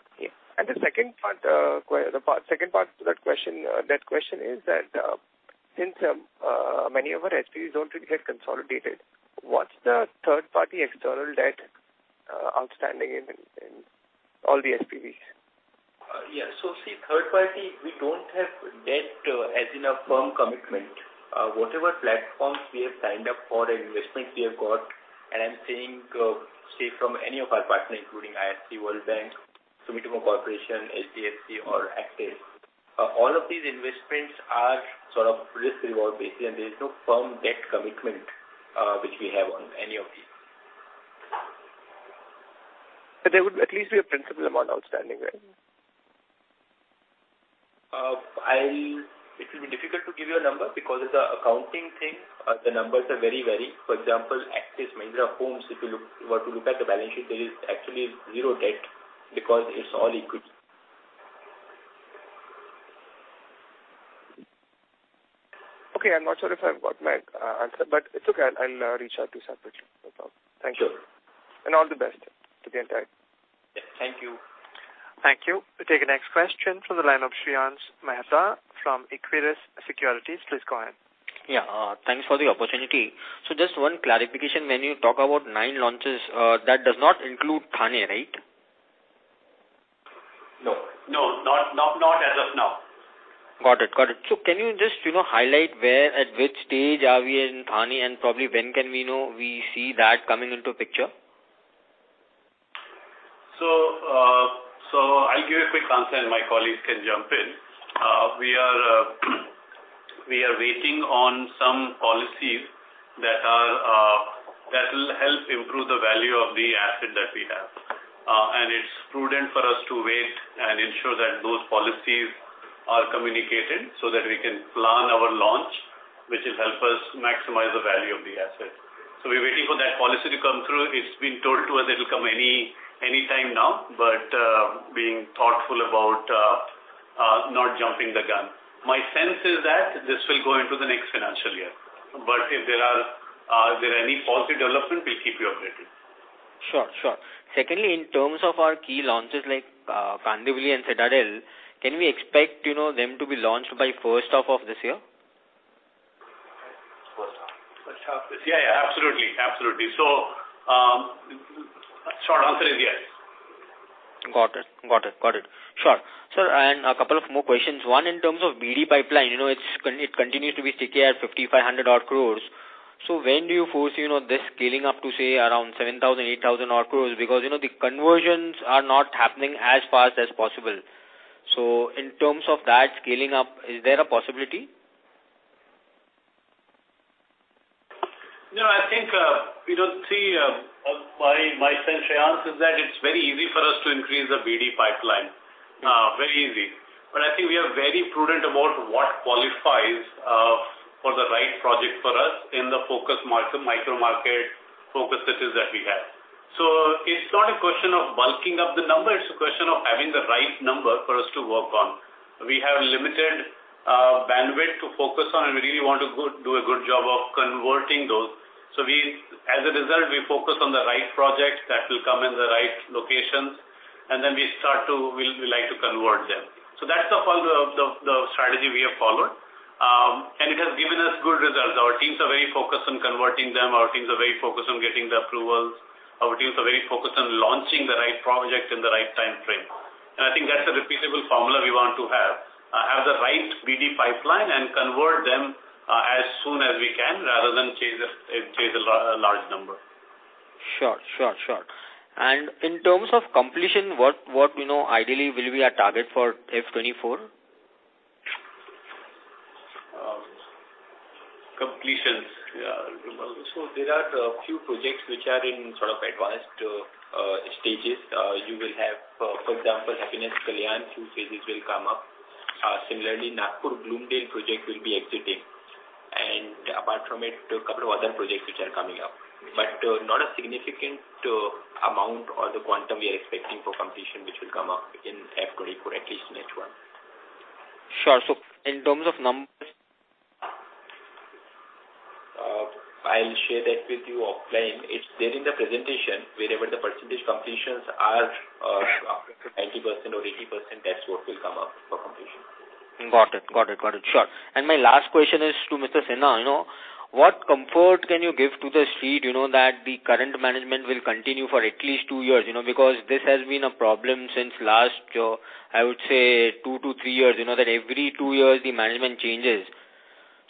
And the second part to that question is that since many of our SPVs don't really get consolidated, what's the third-party external debt outstanding in all the SPVs? Yeah. So see, third party, we don't have debt, as in a firm commitment. Whatever platforms we have signed up for, investments we have got, and I'm saying, say, from any of our partners, including IFC, World Bank, Sumitomo Corporation, HDFC or Actis. All of these investments are sort of risk reward basis, and there is no firm debt commitment, which we have on any of these. But there would at least be a principal amount outstanding, right? It will be difficult to give you a number because it's an accounting thing. The numbers are very varied. For example, Actis Mahindra Homes, if you look, were to look at the balance sheet, there is actually zero debt because it's all equity. Okay. I'm not sure if I've got my answer, but it's okay. I'll reach out to Saptarshi, no problem. Thank you. Sure. All the best to the entire team. Thank you. Thank you. We take the next question from the line of Shreyans Mehta from Equirus Securities. Please go ahead. Yeah, thanks for the opportunity. So just one clarification. When you talk about nine launches, that does not include Thane, right? No. No, not as of now. Got it. Got it. So can you just, you know, highlight where, at which stage are we in Thane? And probably when can we know we see that coming into picture? So, I'll give a quick answer, and my colleagues can jump in. We are waiting on some policies that will help improve the value of the asset that we have. And it's prudent for us to wait and ensure that those policies are communicated so that we can plan our launch, which will help us maximize the value of the asset. So we're waiting for that policy to come through. It's been told to us it'll come anytime now, but being thoughtful about not jumping the gun. My sense is that this will go into the next financial year. But if there are any policy developments, we'll keep you updated. Sure, sure. Secondly, in terms of our key launches like Kandivali and Citadel, can we expect, you know, them to be launched by first half of this year? First half. First half. Yeah, yeah, absolutely. Absolutely. So, short answer is yes. Got it. Got it. Got it. Sure. Sir, and a couple of more questions. One, in terms of BD pipeline, you know, it's, it continues to be sticky at 5,500 crore. So when do you foresee, you know, this scaling up to, say, around 7,000-8,000 crore? Because, you know, the conversions are not happening as fast as possible. So in terms of that scaling up, is there a possibility? You know, I think we don't see. My sense, Shreyans, is that it's very easy for us to increase the BD pipeline. Very easy. But I think we are very prudent about what qualifies for the right project for us in the focus market, micro market focus that we have. So it's not a question of bulking up the number, it's a question of having the right number for us to work on. We have limited bandwidth to focus on, and we really want to do a good job of converting those. So we, as a result, we focus on the right projects that will come in the right locations, and then we start to. We like to convert them. So that's the formula of the strategy we have followed, and it has given us good results. Our teams are very focused on converting them. Our teams are very focused on getting the approvals. Our teams are very focused on launching the right project in the right timeframe. And I think that's a repeatable formula we want to have. Have the right BD pipeline and convert them as soon as we can, rather than chase a large number. Sure, sure, sure. And in terms of completion, what, what, you know, ideally will be our target for F 2024? Completions? Yeah. So there are a few projects which are in sort of advanced stages. You will have, for example, Happinest Kalyan; few phases will come up. Similarly, Nagpur Bloomdale project will be exiting... and apart from it, a couple of other projects which are coming up. But not a significant amount or the quantum we are expecting for completion, which will come up in FY 2024, at least next one. Sure. So in terms of numbers? I'll share that with you offline. It's there in the presentation, wherever the percentage completions are, 90% or 80%, that's what will come up for completion. Got it. Got it, got it. Sure. And my last question is to Mr. Sinha, you know, what comfort can you give to the street, you know, that the current management will continue for at least two years? You know, because this has been a problem since last year, I would say two to three years, you know, that every two years the management changes.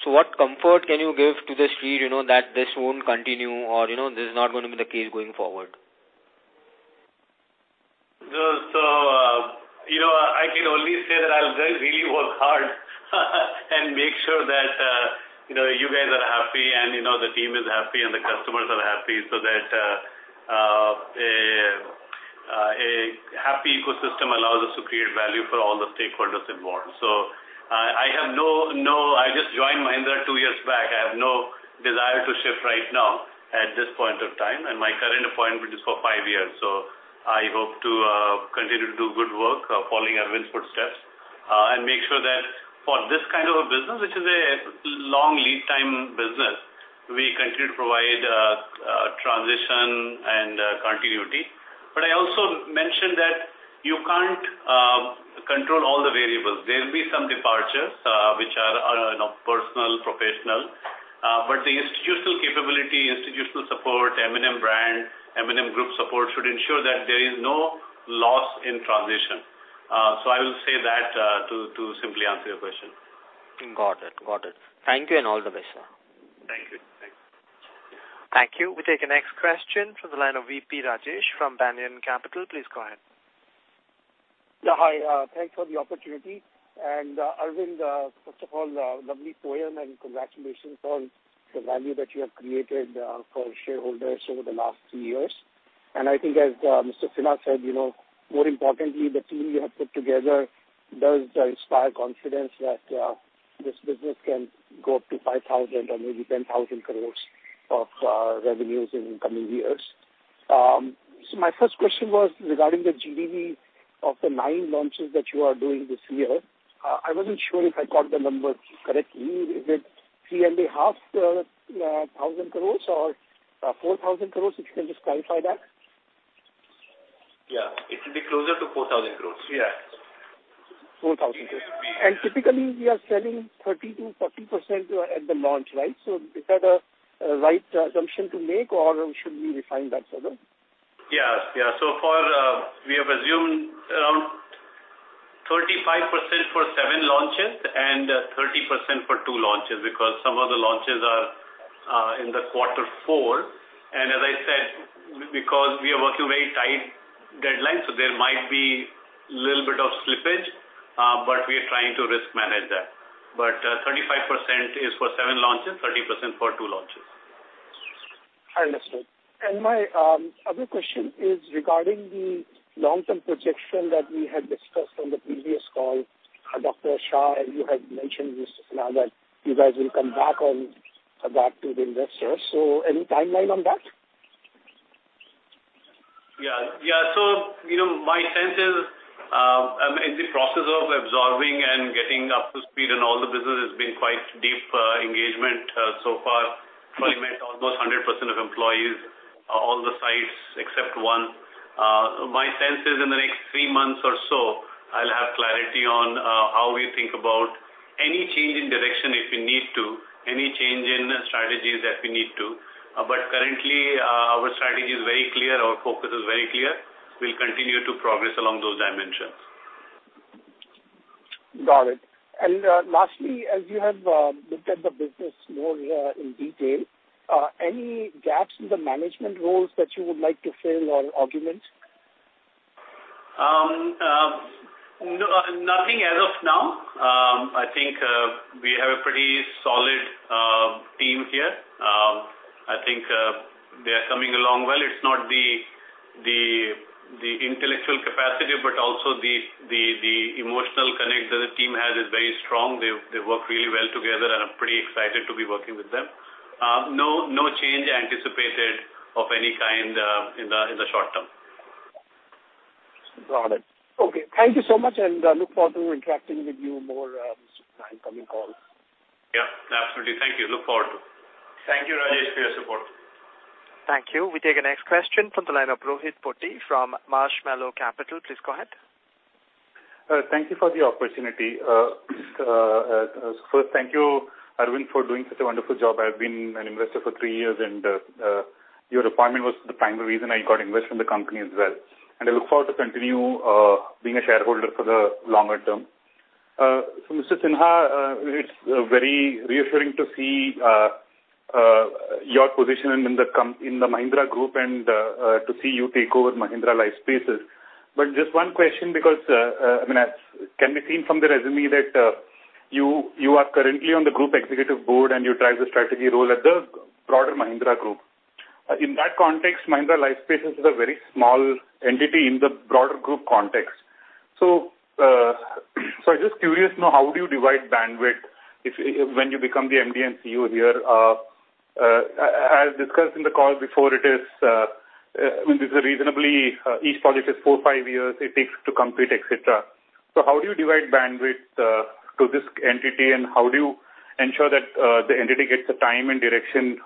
So what comfort can you give to the street, you know, that this won't continue or, you know, this is not going to be the case going forward? So, you know, I can only say that I'll really work hard and make sure that, you know, you guys are happy, and, you know, the team is happy, and the customers are happy, so that a happy ecosystem allows us to create value for all the stakeholders involved. So I have no... I just joined Mahindra two years back. I have no desire to shift right now at this point of time, and my current appointment is for five years, so I hope to continue to do good work, following Arvind's footsteps, and make sure that for this kind of a business, which is a long lead time business, we continue to provide transition and continuity. But I also mentioned that you can't control all the variables. There will be some departures, which are, you know, personal, professional, but the institutional capability, institutional support, M&M brand, M&M group support should ensure that there is no loss in transition. So I will say that, to simply answer your question. Got it. Got it. Thank you, and all the best, sir. Thank you. Thank you. Thank you. We take the next question from the line of V.P. Rajesh from Banyan Capital. Please go ahead. Yeah, hi. Thanks for the opportunity. And, Arvind, first of all, lovely poem and congratulations on the value that you have created for shareholders over the last two years. And I think as Mr. Sinha said, you know, more importantly, the team you have put together does inspire confidence that this business can go up to 5,000 crore or maybe 10,000 crore of revenues in the coming years. So my first question was regarding the GDV of the nine launches that you are doing this year. I wasn't sure if I got the numbers correctly. Is it 3.5 thousand crore or four thousand crores? If you can just clarify that. Yeah. It will be closer to 4,000 crore. Yeah. 4,000 crore. Typically, we are selling 30%-40% at the launch, right? So is that a right assumption to make, or should we refine that further? Yeah. Yeah. So far, we have assumed around 35% for seven launches and 30% for two launches, because some of the launches are in the quarter four. And as I said, because we are working very tight deadlines, so there might be a little bit of slippage, but we are trying to risk manage that. But, 35% is for seven launches, 30% for two launches. I understand. And my other question is regarding the long-term projection that we had discussed on the previous call, Dr. Shah, and you had mentioned this now that you guys will come back on that to the investors. So any timeline on that? Yeah. Yeah. So, you know, my sense is, I'm in the process of absorbing and getting up to speed on all the business. It's been quite deep engagement so far. I met almost 100% of employees, all the sites except one. My sense is in the next three months or so, I'll have clarity on, how we think about any change in direction, if we need to, any change in strategies that we need to. But currently, our strategy is very clear, our focus is very clear. We'll continue to progress along those dimensions. Got it. And lastly, as you have looked at the business more in detail, any gaps in the management roles that you would like to fill or augment? No, nothing as of now. I think we have a pretty solid team here. I think they are coming along well. It's not the intellectual capacity, but also the emotional connect that the team has is very strong. They work really well together, and I'm pretty excited to be working with them. No, no change anticipated of any kind, in the short term. Got it. Okay, thank you so much, and look forward to interacting with you more in the coming calls. Yeah, absolutely. Thank you. Look forward to it. Thank you, Rajesh, for your support. Thank you. We take the next question from the line of Rohit Poti from Marshmallow Capital. Please go ahead. Thank you for the opportunity. First, thank you, Arvind, for doing such a wonderful job. I've been an investor for three years, and your appointment was the primary reason I got invested in the company as well. And I look forward to continue being a shareholder for the longer term. So Mr. Sinha, it's very reassuring to see your position in the company in the Mahindra Group and to see you take over Mahindra Lifespace. But just one question, because I mean, as can be seen from the resume, that you are currently on the group executive board, and you drive the strategy role at the broader Mahindra Group. In that context, Mahindra Lifespace is a very small entity in the broader group context. So, I'm just curious to know, how do you divide bandwidth if, when you become the MD & CEO here? As discussed in the call before, it is, I mean, this is a reasonably, each project is four to five years it takes to complete, et cetera. So how do you divide bandwidth to this entity, and how do you ensure that, the entity gets the time and direction,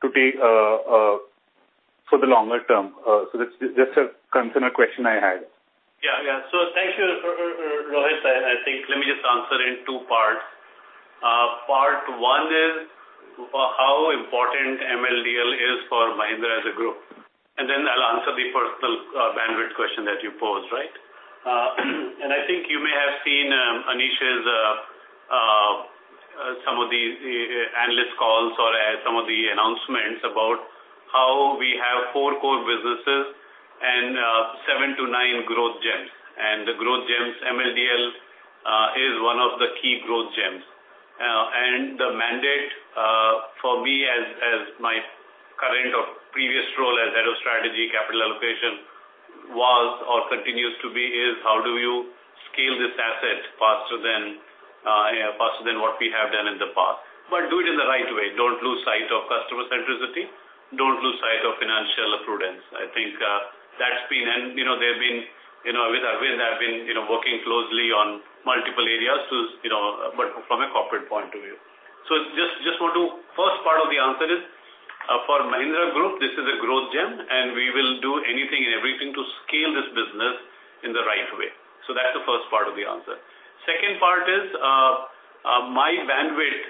to take, for the longer term? So that's just a concerned question I had. Yeah, yeah. So thank you, Rohit. I think let me just answer in two parts. Part one is, how important MLDL is for Mahindra as a group, and then I'll answer the personal, bandwidth question that you posed, right? And I think you may have seen, Anish's, some of the, analyst calls or some of the announcements about how we have four core businesses and, seven to nine growth gems. And the growth gems, MLDL, is one of the key growth gems. And the mandate, for me as, my current or previous role as Head of Strategy, Capital Allocation, was or continues to be, is how do you scale this asset faster than, faster than what we have done in the past? But do it in the right way. Don't lose sight of customer centricity. Don't lose sight of financial prudence. I think, that's been and, you know, there have been, you know, with Arvind, I've been, you know, working closely on multiple areas to, you know, but from a corporate point of view. So just, just want to. First part of the answer is, for Mahindra Group, this is a growth gem, and we will do anything and everything to scale this business in the right way. So that's the first part of the answer. Second part is, my bandwidth,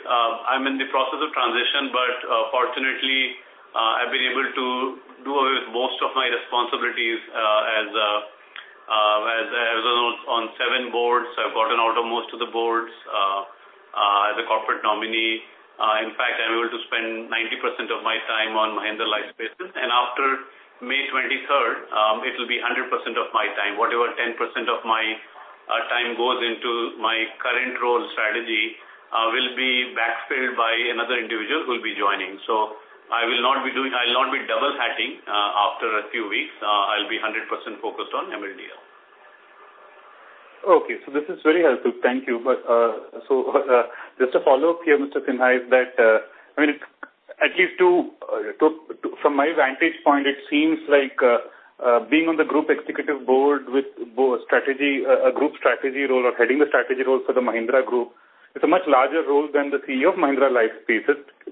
I'm in the process of transition, but, fortunately, I've been able to do away with most of my responsibilities, as, as on seven boards. I've gotten out of most of the boards, as a corporate nominee. In fact, I'm able to spend 90% of my time on Mahindra Lifespace, and after May 23rd, it will be 100% of my time. Whatever 10% of my time goes into my current role, strategy, will be backfilled by another individual who will be joining. So I will not be doing—I'll not be double hatting, after a few weeks. I'll be 100% focused on MLDL. Okay, so this is very helpful. Thank you. But, so, just a follow-up here, Mr. Sinha, that, I mean, at least to, to, from my vantage point, it seems like, being on the group executive board with both strategy, a group strategy role or heading the strategy role for the Mahindra Group, it's a much larger role than the CEO of Mahindra Lifespace.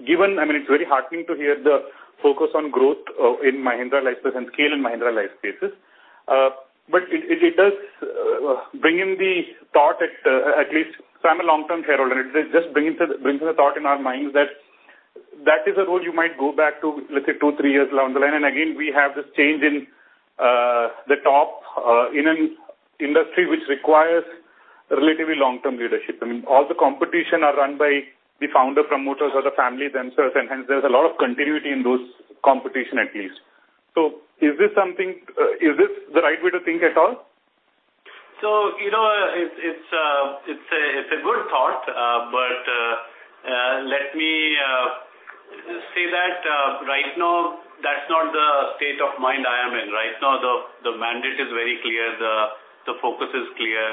Given, I mean, it's very heartening to hear the focus on growth, in Mahindra Lifespace and scale in Mahindra Lifespace. But it, it does, bring in the thought at, at least from a long-term shareholder, and it just brings it, brings the thought in our minds that that is a role you might go back to, let's say, two, three years down the line. And again, we have this change in the top in an industry which requires relatively long-term leadership. I mean, all the competition are run by the founder, promoters, or the family themselves, and hence there's a lot of continuity in those competition at least. So is this something, is this the right way to think at all? So, you know, it's a good thought, but let me say that right now, that's not the state of mind I am in. Right now, the mandate is very clear, the focus is clear,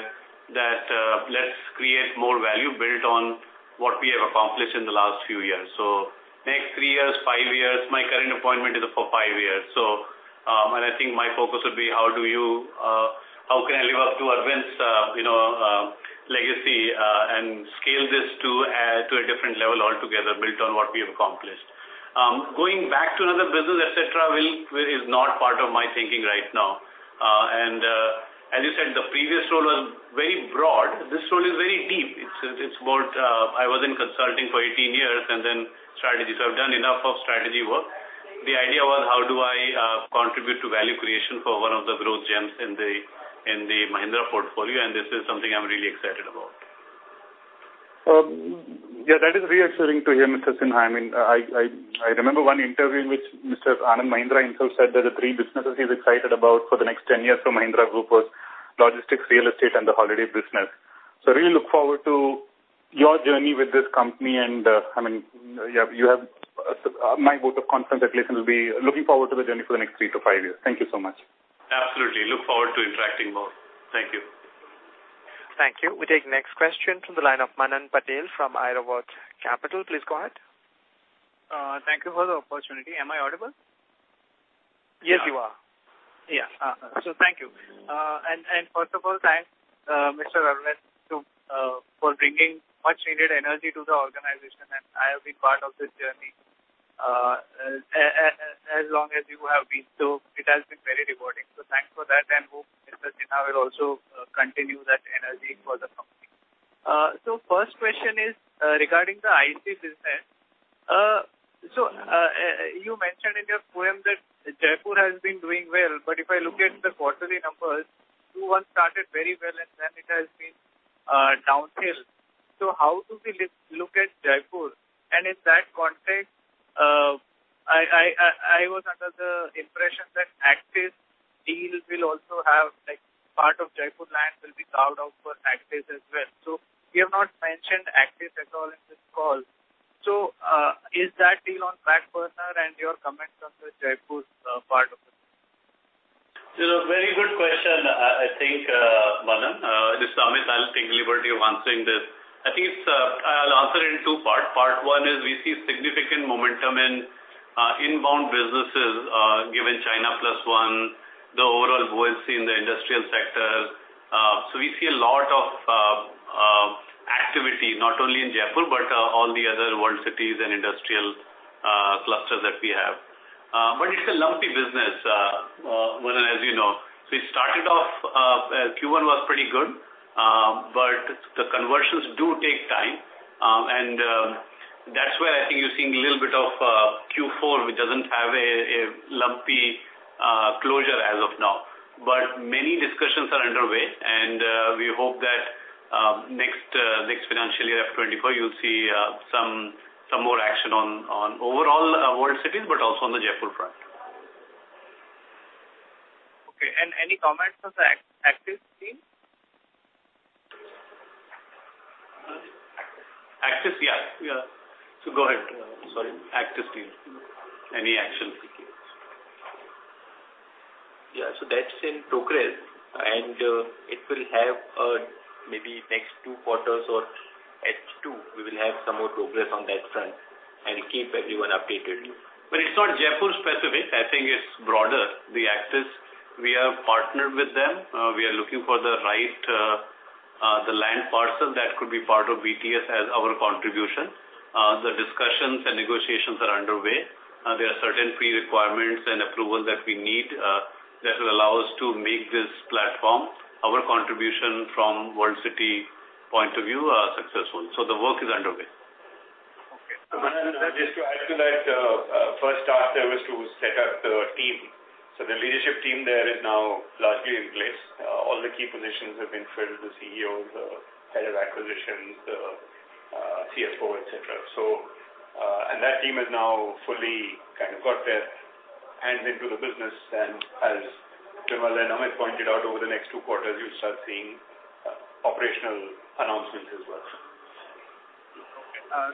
that let's create more value built on what we have accomplished in the last few years. So next three years, five years, my current appointment is for five years. So, I think my focus would be how can I live up to Arvind's, you know, legacy, and scale this to a different level altogether, built on what we have accomplished? Going back to another business, et cetera, is not part of my thinking right now. And, as you said, the previous role was very broad. This role is very deep. It's, it's about, I was in consulting for 18 years and then strategy. So I've done enough of strategy work. The idea was how do I, contribute to value creation for one of the growth gems in the, in the Mahindra portfolio, and this is something I'm really excited about. Yeah, that is reassuring to hear, Mr. Sinha. I mean, I remember one interview in which Mr. Anand Mahindra himself said that the three businesses he's excited about for the next 10 years for Mahindra Group was logistics, real estate, and the holiday business. So really look forward to your journey with this company, and I mean, you have my vote of confidence, at least, and will be looking forward to the journey for the next three to five years. Thank you so much. Absolutely. Look forward to interacting more. Thank you. Thank you. We take next question from the line of Manan Patel from Airavat Capital. Please go ahead. Thank you for the opportunity. Am I audible? Yes, you are. Yeah. So thank you. And first of all, thanks to Mr. Arvind for bringing much needed energy to the organization, and I have been part of this journey, as long as you have been. So it has been very rewarding. So thanks for that, and hope Mr. Sinha will also continue that energy for the company. So first question is, regarding the IC business. So you mentioned in your poem that Jaipur has been doing well, but if I look at the quarterly numbers, two, one started very well, and then it has been downhill. So how do we look at Jaipur? And in that context, I was under the impression that-... will also have, like, part of Jaipur land will be carved out for Actis as well. You have not mentioned Actis at all in this call. Is that deal on track, partner, and your comments on the Jaipur's part of it? It's a very good question. I think, Manan, this is Amit. I'll take the liberty of answering this. I think it's, I'll answer in two parts. Part one is we see significant momentum in inbound businesses, given China Plus One, the overall buoyancy in the industrial sector. So we see a lot of activity, not only in Jaipur, but all the other world cities and industrial clusters that we have. But it's a lumpy business, well, as you know. So we started off, Q1 was pretty good, but the conversions do take time. And that's where I think you're seeing a little bit of Q4, which doesn't have a lumpy closure as of now. Many discussions are underway, and we hope that next financial year, FY 2024, you'll see some more action on overall world cities, but also on the Jaipur front. Okay, and any comments on the Actis team? Actis? Actis, yeah, yeah. Go ahead. Sorry, Actis team. Any action? Yeah, so that's in progress, and it will have maybe next two quarters or H2, we will have some more progress on that front, and keep everyone updated. But it's not Jaipur specific. I think it's broader. The Actis, we have partnered with them. We are looking for the right, the land parcel that could be part of BTS as our contribution. The discussions and negotiations are underway. There are certain prerequisites and approvals that we need, that will allow us to make this platform. Our contribution from World City point of view are successful, so the work is underway. Okay. And just to add to that, first start there was to set up the team. So the leadership team there is now largely in place. All the key positions have been filled, the CEO, the head of acquisitions, the CSO, et cetera. So, and that team is now fully kind of got their hands into the business, and as Kumar and Amit pointed out, over the next two quarters, you'll start seeing operational announcements as well.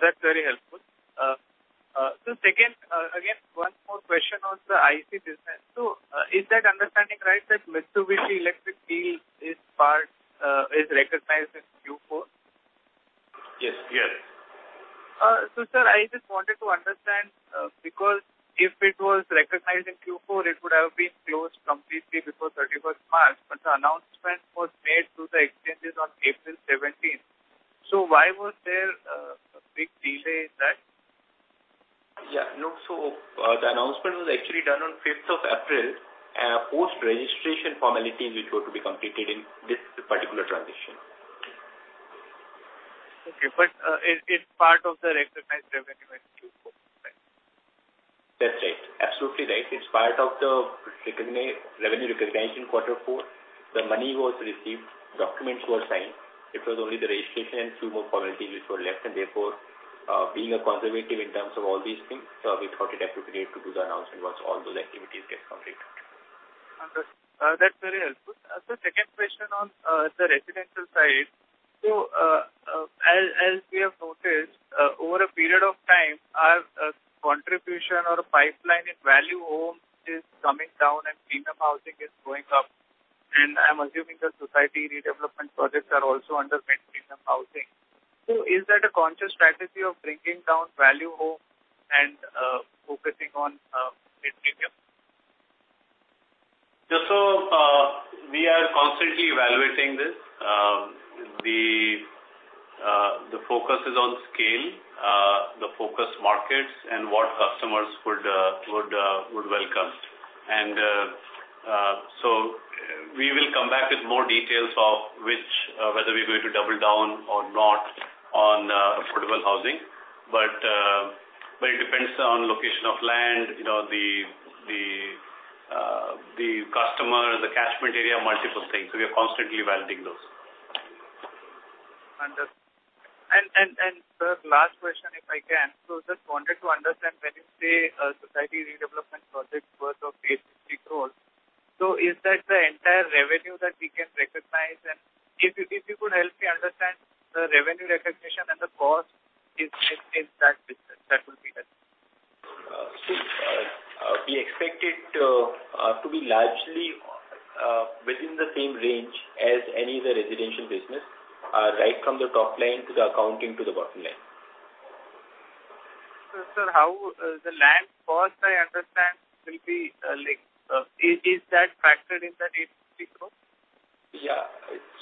That's very helpful. So, second, again, one more question on the IC business. So, is that understanding right, that Mitsubishi Electric deal is part, is recognized in Q4? Yes. Yes. So, sir, I just wanted to understand, because if it was recognized in Q4, it would have been closed completely before 31st March, but the announcement was made through the exchanges on 17th April. So why was there a big delay in that? Yeah, no. So, the announcement was actually done on 5th of April, post registration formalities which were to be completed in this particular transition. Okay, but, is it part of the recognized revenue in Q4? That's right. Absolutely right. It's part of the revenue recognition in quarter four. The money was received, documents were signed. It was only the registration and two more formalities which were left, and therefore, being a conservative in terms of all these things, we thought it appropriate to do the announcement once all those activities get completed. That's very helpful. Second question on the residential side. As we have noticed over a period of time, our contribution or pipeline in value homes is coming down and premium housing is going up, and I'm assuming the society redevelopment projects are also under premium housing. Is that a conscious strategy of bringing down value home and focusing on premium? Just so, we are constantly evaluating this. The focus is on scale, the focus markets and what customers would welcome. So we will come back with more details of which, whether we're going to double down or not on affordable housing. But it depends on location of land, you know, the customer, the catchment area, multiple things. So we are constantly evaluating those. And the last question, if I can. So just wanted to understand when you say society redevelopment projects worth of 86 crore, so is that the entire revenue that we can recognize? And if you could help me understand the revenue recognition and the cost in that business, that would be helpful. So, we expect it to be largely within the same range as any of the residential business, right from the top line to the accounting to the bottom line. So sir, how the land cost, I understand, will be like, is that factored in the 86 crore? Yeah.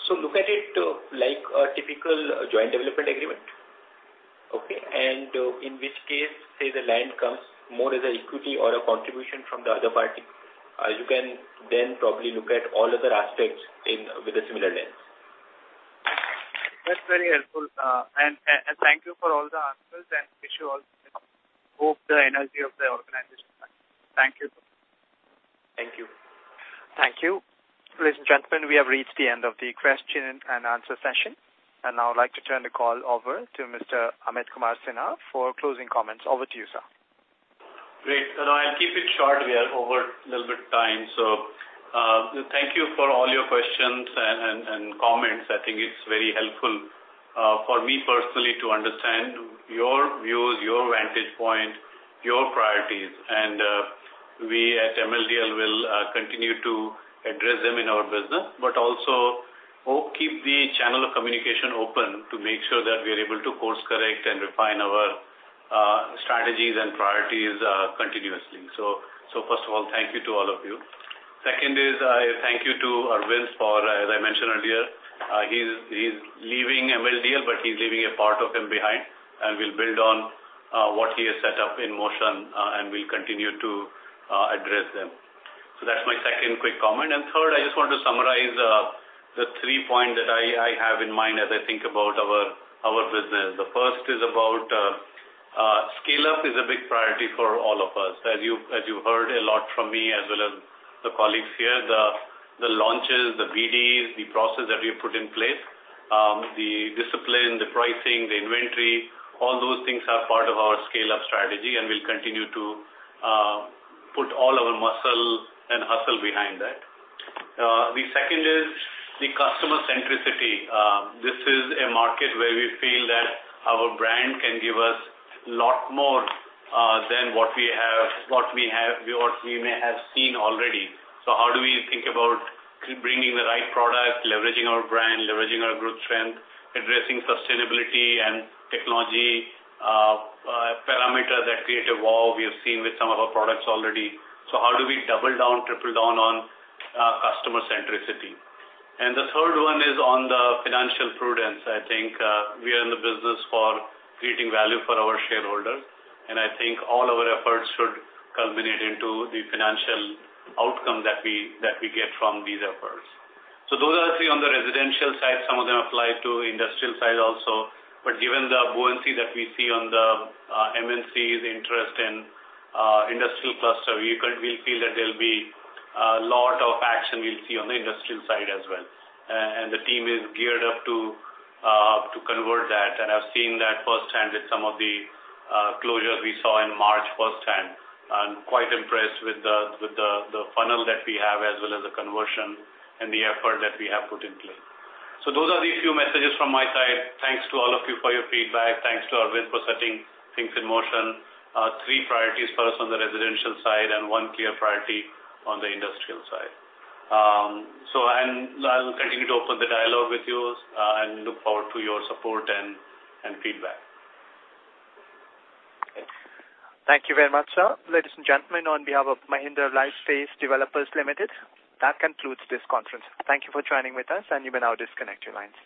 Look at it, like a typical joint development agreement, okay? In which case, say the land comes more as an equity or a contribution from the other party, you can then probably look at all other aspects in, with a similar lens. That's very helpful. And thank you for all the answers, and wish you all... hope, the energy of the organization. Thank you. Thank you. Thank you. Ladies and gentlemen, we have reached the end of the question and answer session, and I would like to turn the call over to Mr. Amit Kumar Sinha for closing comments. Over to you, sir. Great. So I'll keep it short. We are over a little bit time. So, thank you for all your questions and, and, and comments. I think it's very helpful, for me personally, to understand your views, your vantage point, your priorities, and, we at MLDL will, continue to address them in our business, but also keep the channel of communication open to make sure that we are able to course correct and refine our, strategies and priorities, continuously. So, so first of all, thank you to all of you. Second is, thank you to Arvind for, as I mentioned earlier, he's, he's leaving MLDL, but he's leaving a part of him behind, and we'll build on, what he has set up in motion, and we'll continue to, address them. So that's my second quick comment. And third, I just want to summarize the three points that I have in mind as I think about our business. The first is about scale-up is a big priority for all of us. As you heard a lot from me, as well as the colleagues here, the launches, the BDs, the process that we put in place, the discipline, the pricing, the inventory, all those things are part of our scale-up strategy, and we'll continue to put all our muscle and hustle behind that. The second is the customer centricity. This is a market where we feel that our brand can give us a lot more than what we have, what we may have seen already. So how do we think about bringing the right product, leveraging our brand, leveraging our growth trend, addressing sustainability and technology, parameters that create a wall we have seen with some of our products already? So how do we double down, triple down on, customer centricity? And the third one is on the financial prudence. I think, we are in the business for creating value for our shareholders, and I think all our efforts should culminate into the financial outcome that we get from these efforts. So those are three on the residential side. Some of them apply to industrial side also, but given the buoyancy that we see on the MNC's interest in industrial cluster, we feel that there'll be a lot of action we'll see on the industrial side as well. And the team is geared up to convert that. And I've seen that firsthand with some of the closures we saw in March firsthand. I'm quite impressed with the funnel that we have, as well as the conversion and the effort that we have put in place. So those are the few messages from my side. Thanks to all of you for your feedback. Thanks to Arvind for setting things in motion. Three priorities for us on the residential side and one clear priority on the industrial side. So I'm. I'll continue to open the dialogue with yous, and look forward to your support and feedback. Thank you very much, sir. Ladies and gentlemen, on behalf of Mahindra Lifespace Developers Limited, that concludes this conference. Thank you for joining with us, and you may now disconnect your lines.